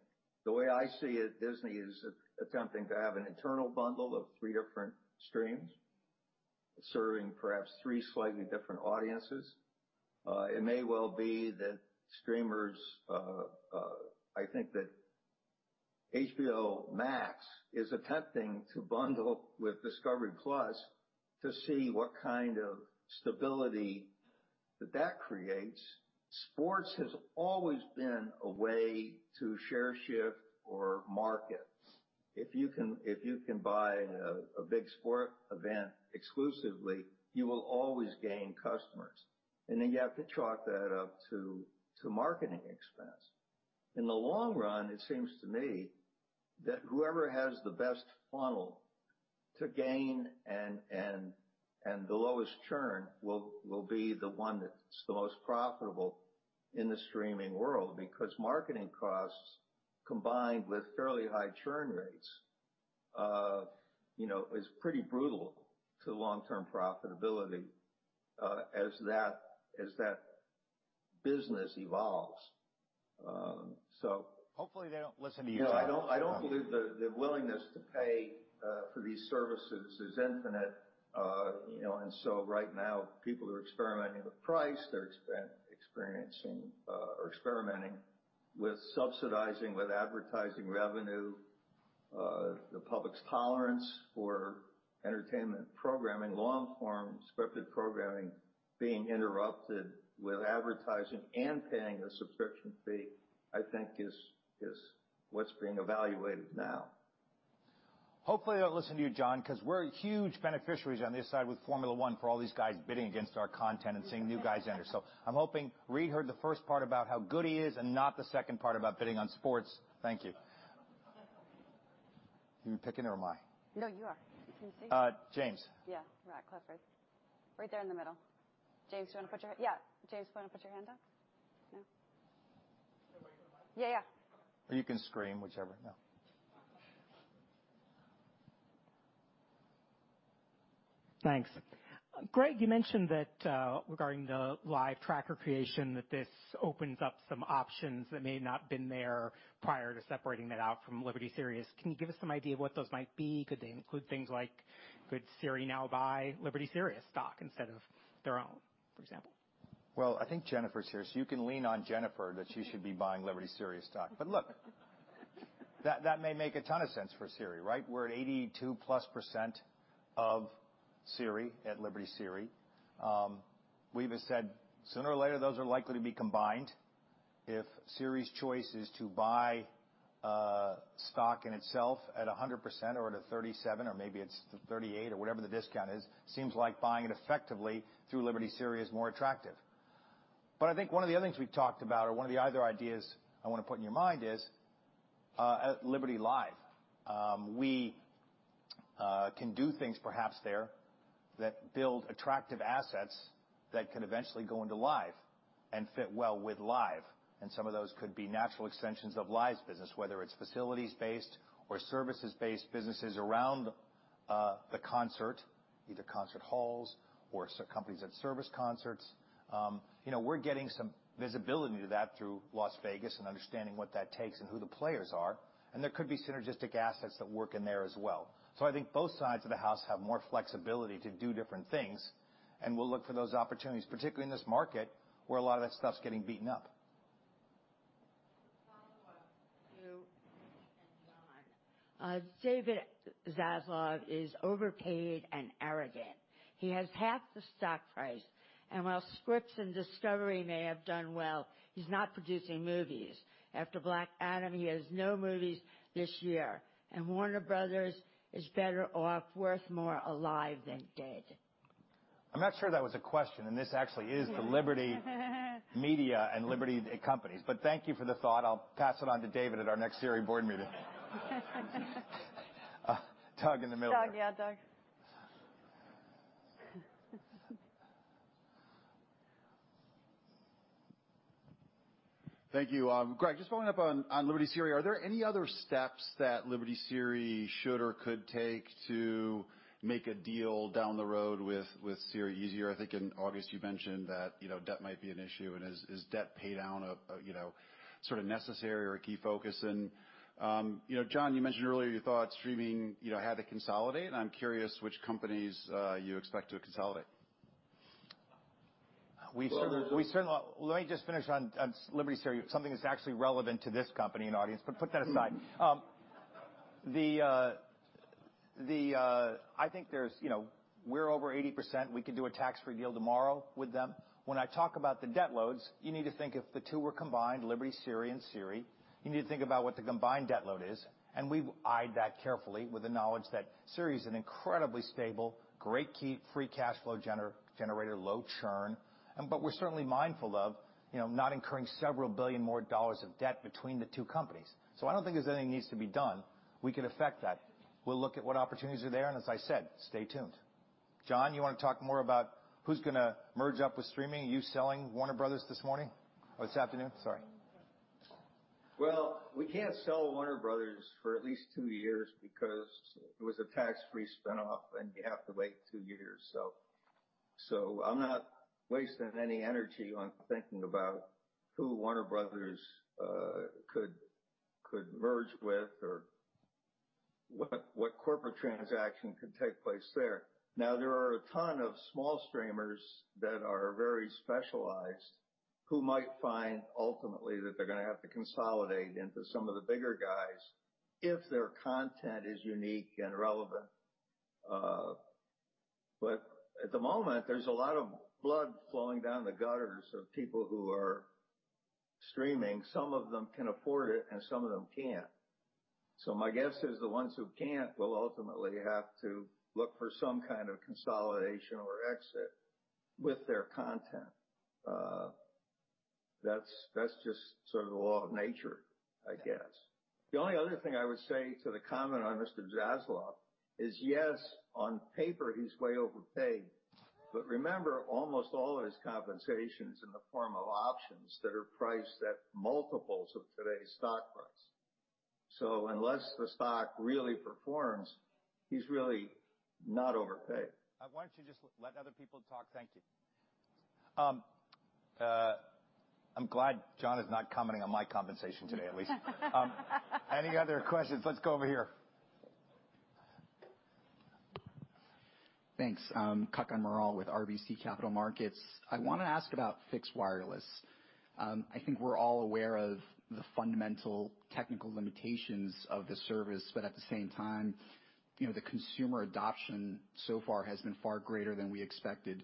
The way I see it, Disney is attempting to have an internal bundle of three different streams serving perhaps three slightly different audiences. I think that HBO Max is attempting to bundle with Discovery+ to see what kind of stability that creates. Sports has always been a way to share shift or market. If you can buy a big sport event exclusively, you will always gain customers. You have to chalk that up to marketing expense. In the long run, it seems to me that whoever has the best funnel to gain and the lowest churn will be the one that's the most profitable in the streaming world because marketing costs, combined with fairly high churn rates, you know, is pretty brutal to long-term profitability as that business evolves. Hopefully, they don't listen to you, John. No, I don't believe the willingness to pay for these services is infinite. You know, right now, people are experimenting with price. They're experimenting with subsidizing with advertising revenue. The public's tolerance for entertainment programming, long-form scripted programming being interrupted with advertising and paying a subscription fee, I think is what's being evaluated now. Hopefully, they don't listen to you, John, 'cause we're huge beneficiaries on this side with Formula 1 for all these guys bidding against our content and seeing new guys enter. I'm hoping Reed heard the first part about how good he is and not the second part about bidding on sports. Thank you. You picking or am I? No, you are. Can you see? James. Yeah. Right. Close. Right there in the middle. Yeah. James, wanna put your hand up? No? Yeah, yeah. You can scream, whichever. No. Thanks. Greg, you mentioned that regarding the Live tracker creation, that this opens up some options that may not been there prior to separating that out from Liberty SiriusXM. Can you give us some idea of what those might be? Could they include things like, could Sirius now buy Liberty SiriusXM stock instead of their own, for example? Well, I think Jennifer's here, so you can lean on Jennifer that she should be buying Liberty SiriusXM stock. Look, that may make a ton of sense for Sirius, right? We're at 82%+ of Sirius at Liberty SiriusXM. We've said sooner or later, those are likely to be combined. If Sirius' choice is to buy stock in itself at 100% or at 37% or maybe it's 38% or whatever the discount is, seems like buying it effectively through Liberty SiriusXM is more attractive. I think one of the other things we've talked about or one of the other ideas I wanna put in your mind is at Liberty Live. We can do things perhaps there that build attractive assets that could eventually go into Live and fit well with Live, and some of those could be natural extensions of Live's business, whether it's facilities-based or services-based businesses around the concert, either concert halls or companies that service concerts. You know, we're getting some visibility to that through Las Vegas and understanding what that takes and who the players are, and there could be synergistic assets that work in there as well. I think both sides of the house have more flexibility to do different things, and we'll look for those opportunities, particularly in this market where a lot of that stuff's getting beaten up. Follow-up to John. David Zaslav is overpaid and arrogant. He has halved the stock price, and while Scripps and Discovery may have done well, he's not producing movies. After Black Adam, he has no movies this year. Warner Bros. is better off, worth more alive than dead. I'm not sure that was a question. This actually is the Liberty Media and Liberty companies. Thank you for the thought. I'll pass it on to David at our next SiriusXM board meeting. Doug in the middle there. Doug, yeah. Doug. Thank you. Greg, just following up on Liberty SiriusXM, are there any other steps that Liberty SiriusXM should or could take to make a deal down the road with SiriusXM easier? I think in August you mentioned that, you know, debt might be an issue. Is debt paydown a, you know, sort of necessary or a key focus? You know, John, you mentioned earlier you thought streaming, you know, had to consolidate, and I'm curious which companies you expect to consolidate. Let me just finish on Liberty SiriusXM, something that's actually relevant to this company and audience. Put that aside. You know, we're over 80%. We can do a tax-free deal tomorrow with them. When I talk about the debt loads, you need to think if the two were combined, Liberty SiriusXM and SiriusXM, you need to think about what the combined debt load is. We've eyed that carefully with the knowledge that SiriusXM is an incredibly stable, great key free cash flow generator, low churn. We're certainly mindful of, you know, not incurring several billion more dollars of debt between the two companies. I don't think there's anything needs to be done. We could affect that. We'll look at what opportunities are there, and as I said, stay tuned. John, you wanna talk more about who's gonna merge up with streaming? You selling Warner Bros. this morning or this afternoon, sorry? Well, we can't sell Warner Bros. for at least two years because it was a tax-free spinoff, and you have to wait two years. I'm not wasting any energy on thinking about who Warner Bros. could merge with or what corporate transaction could take place there. Now, there are a ton of small streamers that are very specialized who might find ultimately that they're gonna have to consolidate into some of the bigger guys if their content is unique and relevant. At the moment, there's a lot of blood flowing down the gutters of people who are streaming. Some of them can afford it, and some of them can't. My guess is the ones who can't will ultimately have to look for some kind of consolidation or exit with their content. That's just sort of the law of nature, I guess. The only other thing I would say to the comment on Mr. Zaslav is, yes, on paper, he's way overpaid. Remember, almost all of his compensation's in the form of options that are priced at multiples of today's stock price. Unless the stock really performs, he's really not overpaid. Why don't you just let other people talk? Thank you. I'm glad John is not commenting on my compensation today, at least. Any other questions? Let's go over here. Thanks. Kutgun Maral with RBC Capital Markets. I wanna ask about fixed wireless. I think we're all aware of the fundamental technical limitations of the service, but at the same time, you know, the consumer adoption so far has been far greater than we expected.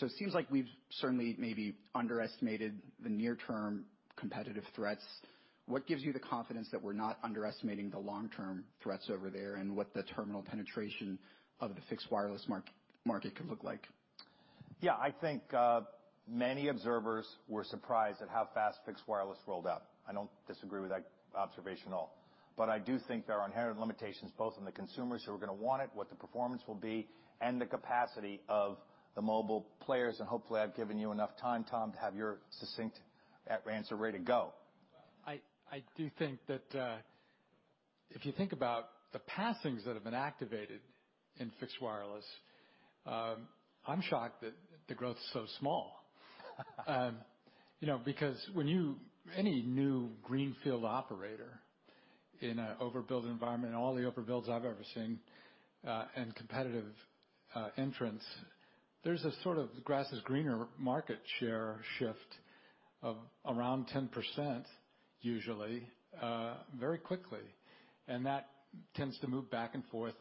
It seems like we've certainly maybe underestimated the near-term competitive threats. What gives you the confidence that we're not underestimating the long-term threats over there and what the terminal penetration of the fixed wireless market could look like? Yeah. I think many observers were surprised at how fast fixed wireless rolled out. I don't disagree with that observation at all. I do think there are inherent limitations both on the consumers who are gonna want it, what the performance will be, and the capacity of the mobile players. Hopefully, I've given you enough time, Tom, to have your succinct answer ready to go. I do think that if you think about the passings that have been activated in fixed wireless, I'm shocked that the growth is so small. You know, because when any new greenfield operator in an overbuild environment and all the overbuilds I've ever seen and competitive entrants, there's a sort of grass is greener market share shift of around 10% usually very quickly. That tends to move back and forth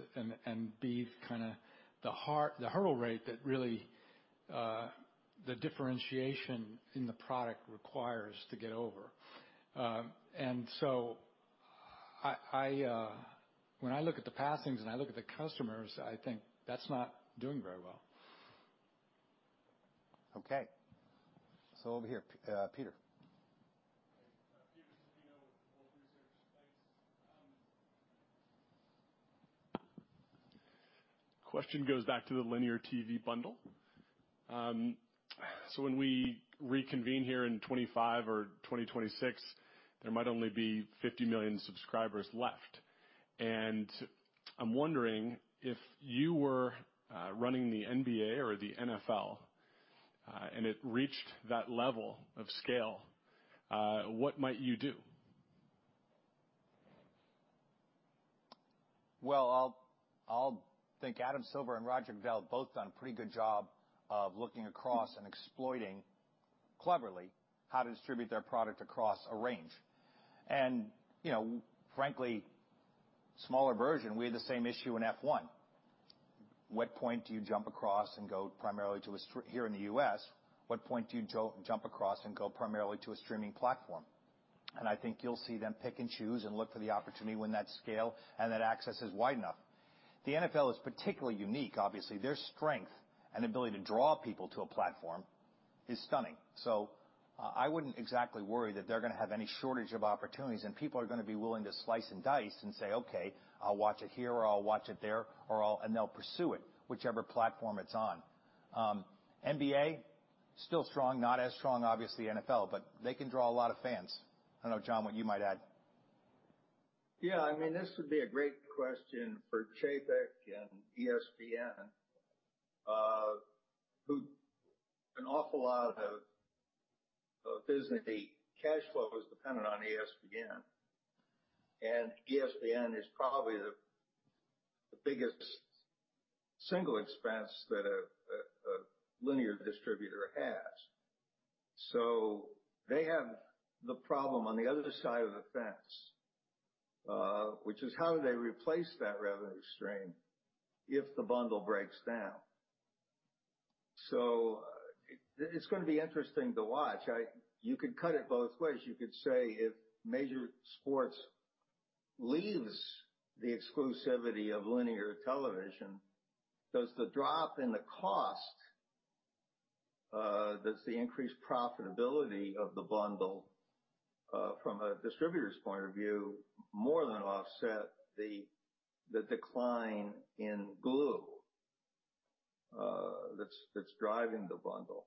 and be kinda the hurdle rate that really the differentiation in the product requires to get over. When I look at the passings and I look at the customers, I think that's not doing very well. Okay. Over here, Peter. Peter Supino with Wolfe Research. Thanks. Question goes back to the linear TV bundle. When we reconvene here in 2025 or 2026, there might only be 50 million subscribers left. I'm wondering if you were running the NBA or the NFL and it reached that level of scale, what might you do? Well, I think Adam Silver and Roger Goodell both done a pretty good job of looking across and exploiting cleverly how to distribute their product across a range. You know, frankly, smaller version, we had the same issue in F1. What point do you jump across and go primarily to a streaming platform here in the U.S.? I think you'll see them pick and choose and look for the opportunity when that scale and that access is wide enough. The NFL is particularly unique. Obviously, their strength and ability to draw people to a platform is stunning. I wouldn't exactly worry that they're gonna have any shortage of opportunities, and people are gonna be willing to slice and dice and say, "Okay, I'll watch it here or I'll watch it there." They'll pursue it, whichever platform it's on. NBA, still strong. Not as strong, obviously, NFL, but they can draw a lot of fans. I don't know, John, what you might add. Yeah. I mean, this would be a great question for Chapek and ESPN. Basically, cash flow is dependent on ESPN, and ESPN is probably the biggest single expense that a linear distributor has. They have the problem on the other side of the fence, which is how do they replace that revenue stream if the bundle breaks down? It's gonna be interesting to watch. You could cut it both ways. You could say if major sports leaves the exclusivity of linear television, does the drop in the cost, does the increased profitability of the bundle, from a distributor's point of view, more than offset the decline in glue that's driving the bundle?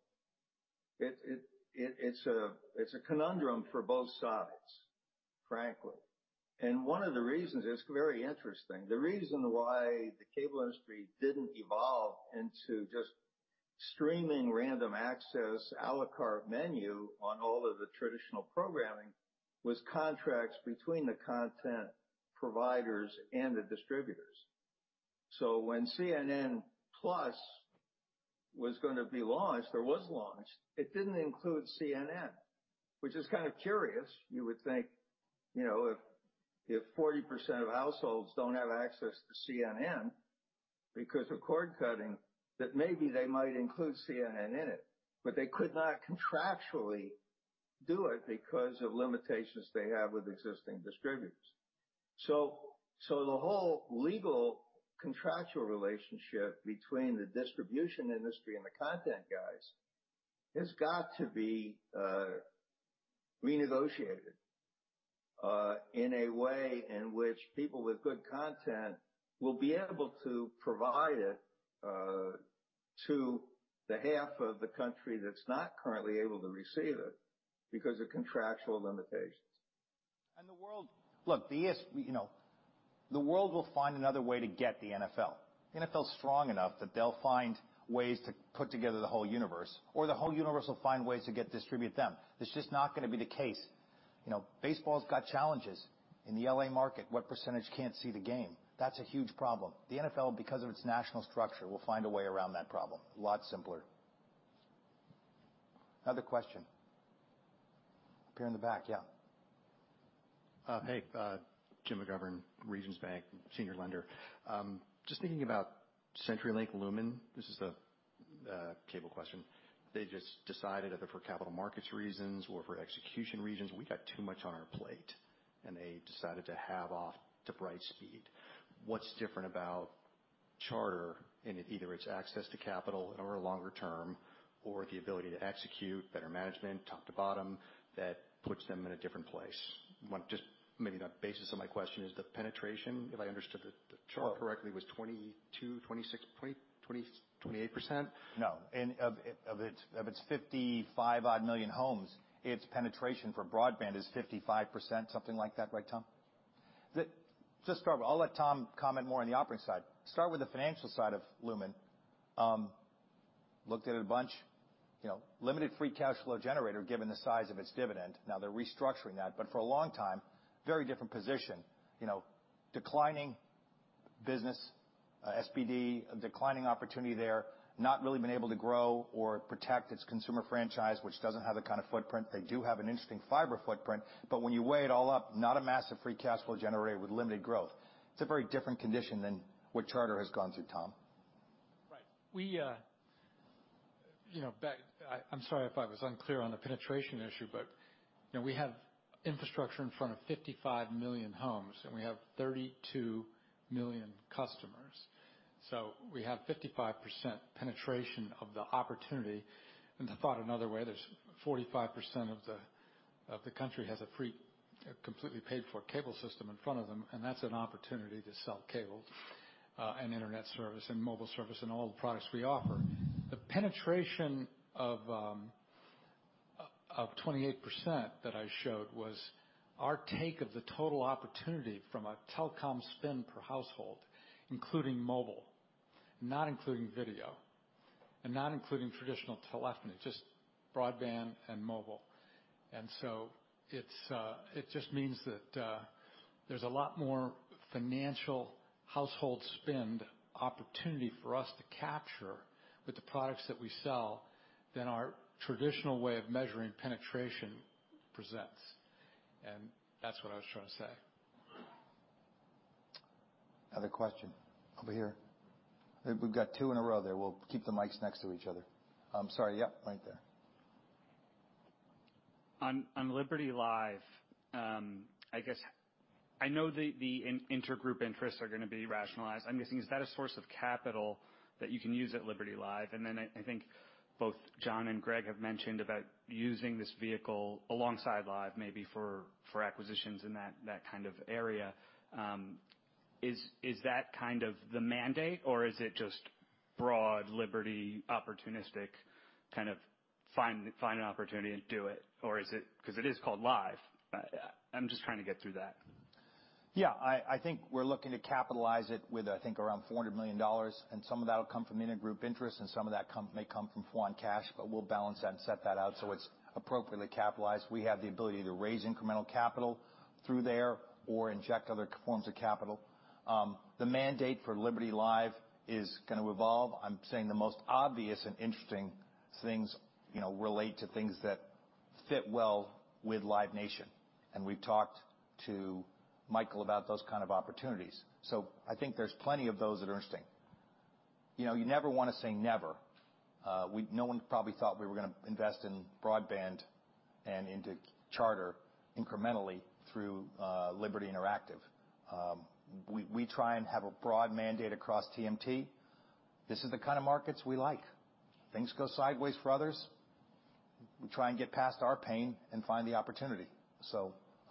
It's a conundrum for both sides, frankly. One of the reasons it's very interesting, the reason why the cable industry didn't evolve into just streaming random access, à la carte menu on all of the traditional programming was contracts between the content providers and the distributors. When CNN+ was gonna be launched or was launched, it didn't include CNN, which is kind of curious. You would think, you know, if 40% of households don't have access to CNN because of cord cutting, that maybe they might include CNN in it, but they could not contractually do it because of limitations they have with existing distributors. The whole legal contractual relationship between the distribution industry and the content guys has got to be renegotiated in a way in which people with good content will be able to provide it to the half of the country that's not currently able to receive it because of contractual limitations. Look, you know, the world will find another way to get the NFL. NFL's strong enough that they'll find ways to put together the whole universe or the whole universe will find ways to get distribute them. That's just not gonna be the case. You know, baseball's got challenges. In the L.A. market, what percentage can't see the game? That's a huge problem. The NFL, because of its national structure, will find a way around that problem. A lot simpler. Another question. Up here in the back. Yeah. Hey, Jim McGovern, Regions Bank Senior Lender. Just thinking about CenturyLink, Lumen, this is a cable question. They just decided either for capital markets reasons or for execution reasons, we got too much on our plate, and they decided to hive off to Brightspeed. What's different about Charter in either its access to capital or longer term, or the ability to execute better management, top to bottom, that puts them in a different place? Just maybe the basis of my question is the penetration, if I understood the chart correctly, was 22%, 26.20%, 28%. No. Of its 55 odd million homes, its penetration for broadband is 55%, something like that. Right, Tom? I'll let Tom comment more on the operating side. Start with the financial side of Lumen. Looked at it a bunch. You know, limited free cash flow generator, given the size of its dividend. Now they're restructuring that, but for a long time, very different position. You know, declining business, SMB, a declining opportunity there. Not really been able to grow or protect its consumer franchise, which doesn't have the kind of footprint. They do have an interesting fiber footprint, but when you weigh it all up, not a massive free cash flow generator with limited growth. It's a very different condition than what Charter has gone through, Tom. Right. I'm sorry if I was unclear on the penetration issue, but, you know, we have infrastructure in front of 55 million homes, and we have 32 million customers. We have 55% penetration of the opportunity. Thought another way, there's 45% of the country has a free, completely paid for cable system in front of them, and that's an opportunity to sell cable and internet service and mobile service and all the products we offer. The penetration of 28% that I showed was our take of the total opportunity from a telecom spend per household, including mobile, not including video, and not including traditional telephony, just broadband and mobile. It just means that there's a lot more financial household spend opportunity for us to capture with the products that we sell than our traditional way of measuring penetration presents. That's what I was trying to say. Another question. Over here. We've got two in a row there. We'll keep the mics next to each other. I'm sorry. Yeah, right there. On Liberty Live, I guess I know the intergroup interests are gonna be rationalized. I'm guessing, is that a source of capital that you can use at Liberty Live? I think both John and Greg have mentioned about using this vehicle alongside Live, maybe for acquisitions in that kind of area. Is that kind of the mandate, or is it just broad Liberty opportunistic, kind of find an opportunity and do it? Is it 'cause it is called Live? I'm just trying to get through that. Yeah, I think we're looking to capitalize it with, I think, around $400 million, and some of that'll come from inter-group interest, and some of that may come from John's cash. We'll balance that and set that out so it's appropriately capitalized. We have the ability to raise incremental capital through there or inject other forms of capital. The mandate for Liberty Live is gonna evolve. I'm saying the most obvious and interesting things, you know, relate to things that fit well with Live Nation, and we've talked to Michael about those kind of opportunities. I think there's plenty of those that are interesting. You know, you never wanna say never. No one probably thought we were gonna invest in broadband and into Charter incrementally through Liberty Interactive. We try and have a broad mandate across TMT. This is the kind of markets we like. Things go sideways for others, we try and get past our pain and find the opportunity.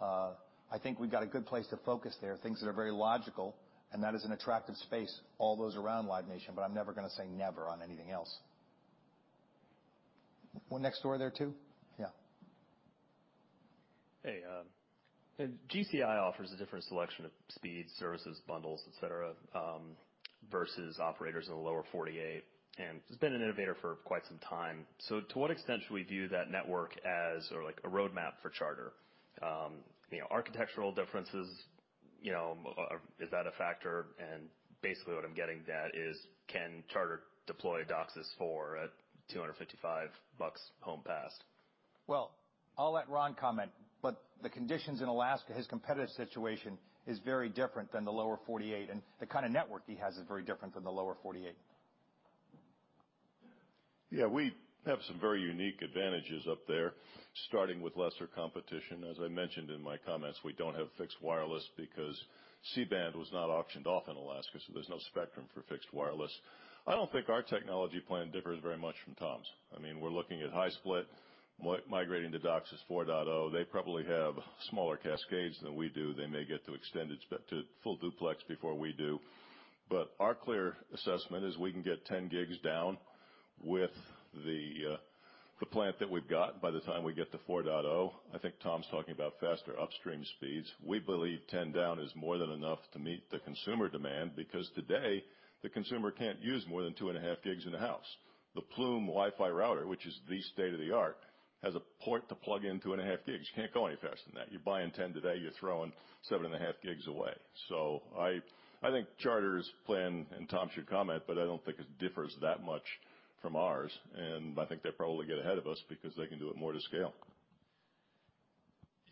I think we've got a good place to focus there, things that are very logical, and that is an attractive space, all those around Live Nation, but I'm never gonna say never on anything else. One next door there, too? Yeah. Hey, GCI offers a different selection of speed, services, bundles, et cetera, versus operators in the Lower 48, and it's been an innovator for quite some time. To what extent should we view that network as or like a roadmap for Charter? You know, architectural differences, you know, is that a factor? Basically what I'm getting at is can Charter deploy DOCSIS for a $255 home pass? Well, I'll let Ron comment. The conditions in Alaska, his competitive situation is very different than the Lower 48, and the kind of network he has is very different than the Lower 48. Yeah. We have some very unique advantages up there, starting with lesser competition. As I mentioned in my comments, we don't have fixed wireless because C-band was not auctioned off in Alaska, so there's no spectrum for fixed wireless. I don't think our technology plan differs very much from Tom's. I mean, we're looking at high-split, migrating to DOCSIS 4.0. They probably have smaller cascades than we do. They may get to Full Duplex before we do. Our clear assessment is we can get 10 Gbs down with the plant that we've got by the time we get to DOCSIS 4.0. I think Tom's talking about faster upstream speeds. We believe 10 Gbs down is more than enough to meet the consumer demand because today, the consumer can't use more than 2.5 Gbs in a house. The Plume Wi-Fi router, which is the state of the art, has a port to plug in 2.5 Gbs. You can't go any faster than that. You're buying 10 Gbs today, you're throwing 7.5 Gbs away. I think Charter's plan, and Tom should comment, but I don't think it differs that much from ours, and I think they probably get ahead of us because they can do it more to scale.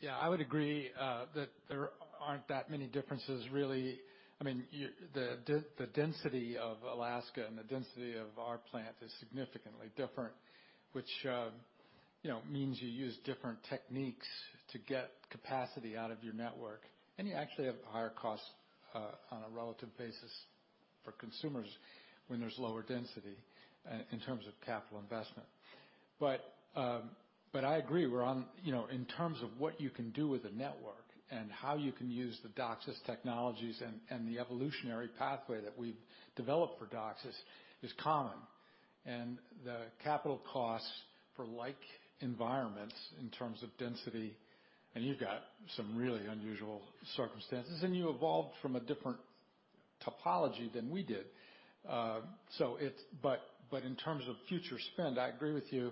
Yeah. I would agree that there aren't that many differences really. I mean, the density of Alaska and the density of our plant is significantly different, which, you know, means you use different techniques to get capacity out of your network, and you actually have higher costs on a relative basis for consumers when there's lower density in terms of capital investment. I agree. You know, in terms of what you can do with a network and how you can use the DOCSIS technologies and the evolutionary pathway that we've developed for DOCSIS is common. The capital costs for like environments in terms of density, and you've got some really unusual circumstances, and you evolved from a different topology than we did. In terms of future spend, I agree with you.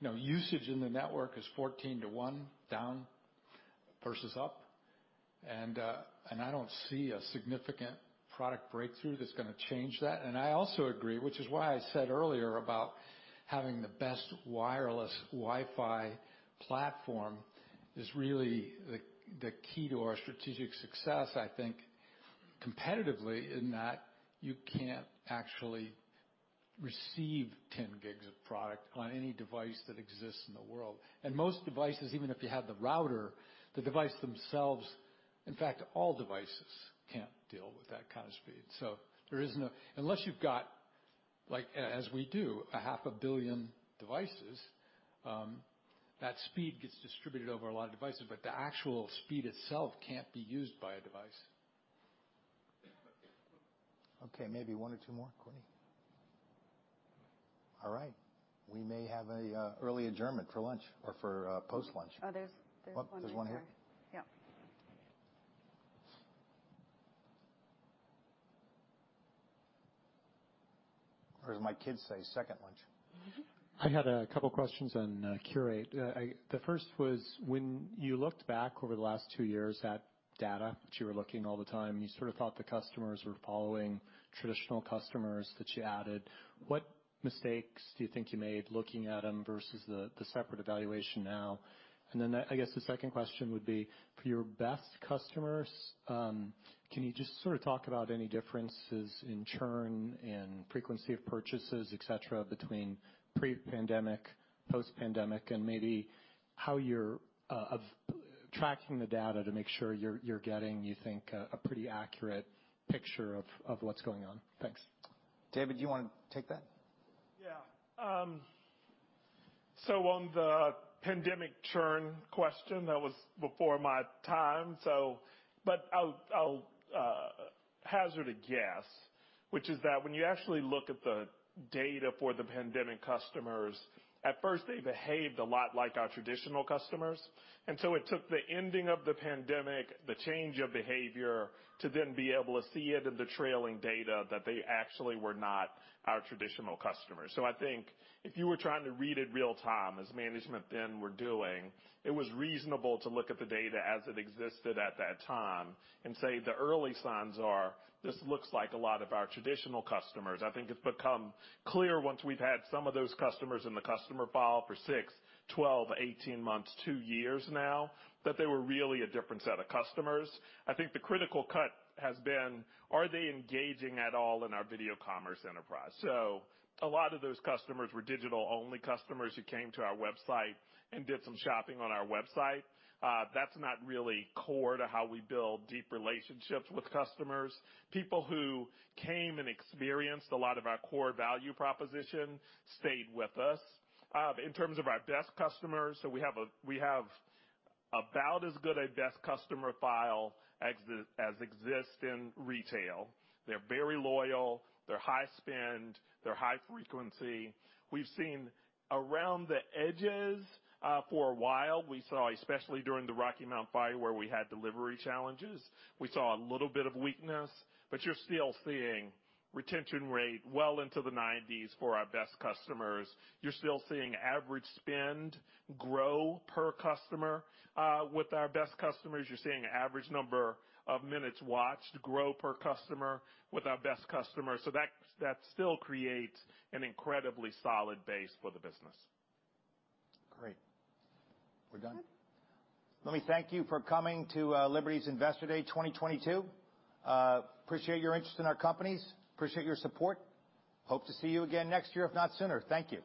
You know, usage in the network is 14/1 down versus up, and I don't see a significant product breakthrough that's gonna change that. I also agree, which is why I said earlier about having the best wireless Wi-Fi platform is really the key to our strategic success, I think, competitively in that you can't actually receive 10 Gb of product on any device that exists in the world. Most devices, even if you had the router, the device themselves, in fact, all devices can't deal with that kind of speed. Unless you've got, like, as we do, a 500 million devices, that speed gets distributed over a lot of devices, but the actual speed itself can't be used by a device. Okay, maybe one or two more, Courtnee. All right, we may have a early adjournment for lunch or for post-lunch. Oh, there's one more. Oh, there's one here. Yeah. As my kids say, second lunch. I had a couple of questions on Qurate. The first was, when you looked back over the last two years at data that you were looking all the time, you sort of thought the customers were following traditional customers that you added. What mistakes do you think you made looking at them versus the separate evaluation now? I guess the second question would be, for your best customers, can you just sort of talk about any differences in churn and frequency of purchases, et cetera, between pre-pandemic, post-pandemic, and maybe how you're tracking the data to make sure you're getting, you think, a pretty accurate picture of what's going on? Thanks. David, do you wanna take that? Yeah. On the pandemic churn question, that was before my time. Hazard a guess, which is that when you actually look at the data for the pandemic customers, at first, they behaved a lot like our traditional customers. It took the ending of the pandemic, the change of behavior, to then be able to see it in the trailing data that they actually were not our traditional customers. I think if you were trying to read it real-time, as management then were doing, it was reasonable to look at the data as it existed at that time and say, the early signs are this looks like a lot of our traditional customers. I think it's become clear once we've had some of those customers in the customer file for six, 12, 18 months, two years now, that they were really a different set of customers. I think the critical cut has been, are they engaging at all in our video commerce enterprise? A lot of those customers were digital-only customers who came to our website and did some shopping on our website. That's not really core to how we build deep relationships with customers. People who came and experienced a lot of our core value proposition stayed with us. In terms of our best customers, we have about as good a best customer file as exists in retail. They're very loyal, they're high spend, they're high frequency. We've seen around the edges for a while, we saw, especially during the Rocky Mount fire, where we had delivery challenges, we saw a little bit of weakness, but you're still seeing retention rate well into the 90s% for our best customers. You're still seeing average spend grow per customer. With our best customers, you're seeing average number of minutes watched grow per customer with our best customers. That still creates an incredibly solid base for the business. Great. We're done. Let me thank you for coming to Liberty's Investor Day 2022. Appreciate your interest in our companies. Appreciate your support. Hope to see you again next year, if not sooner. Thank you.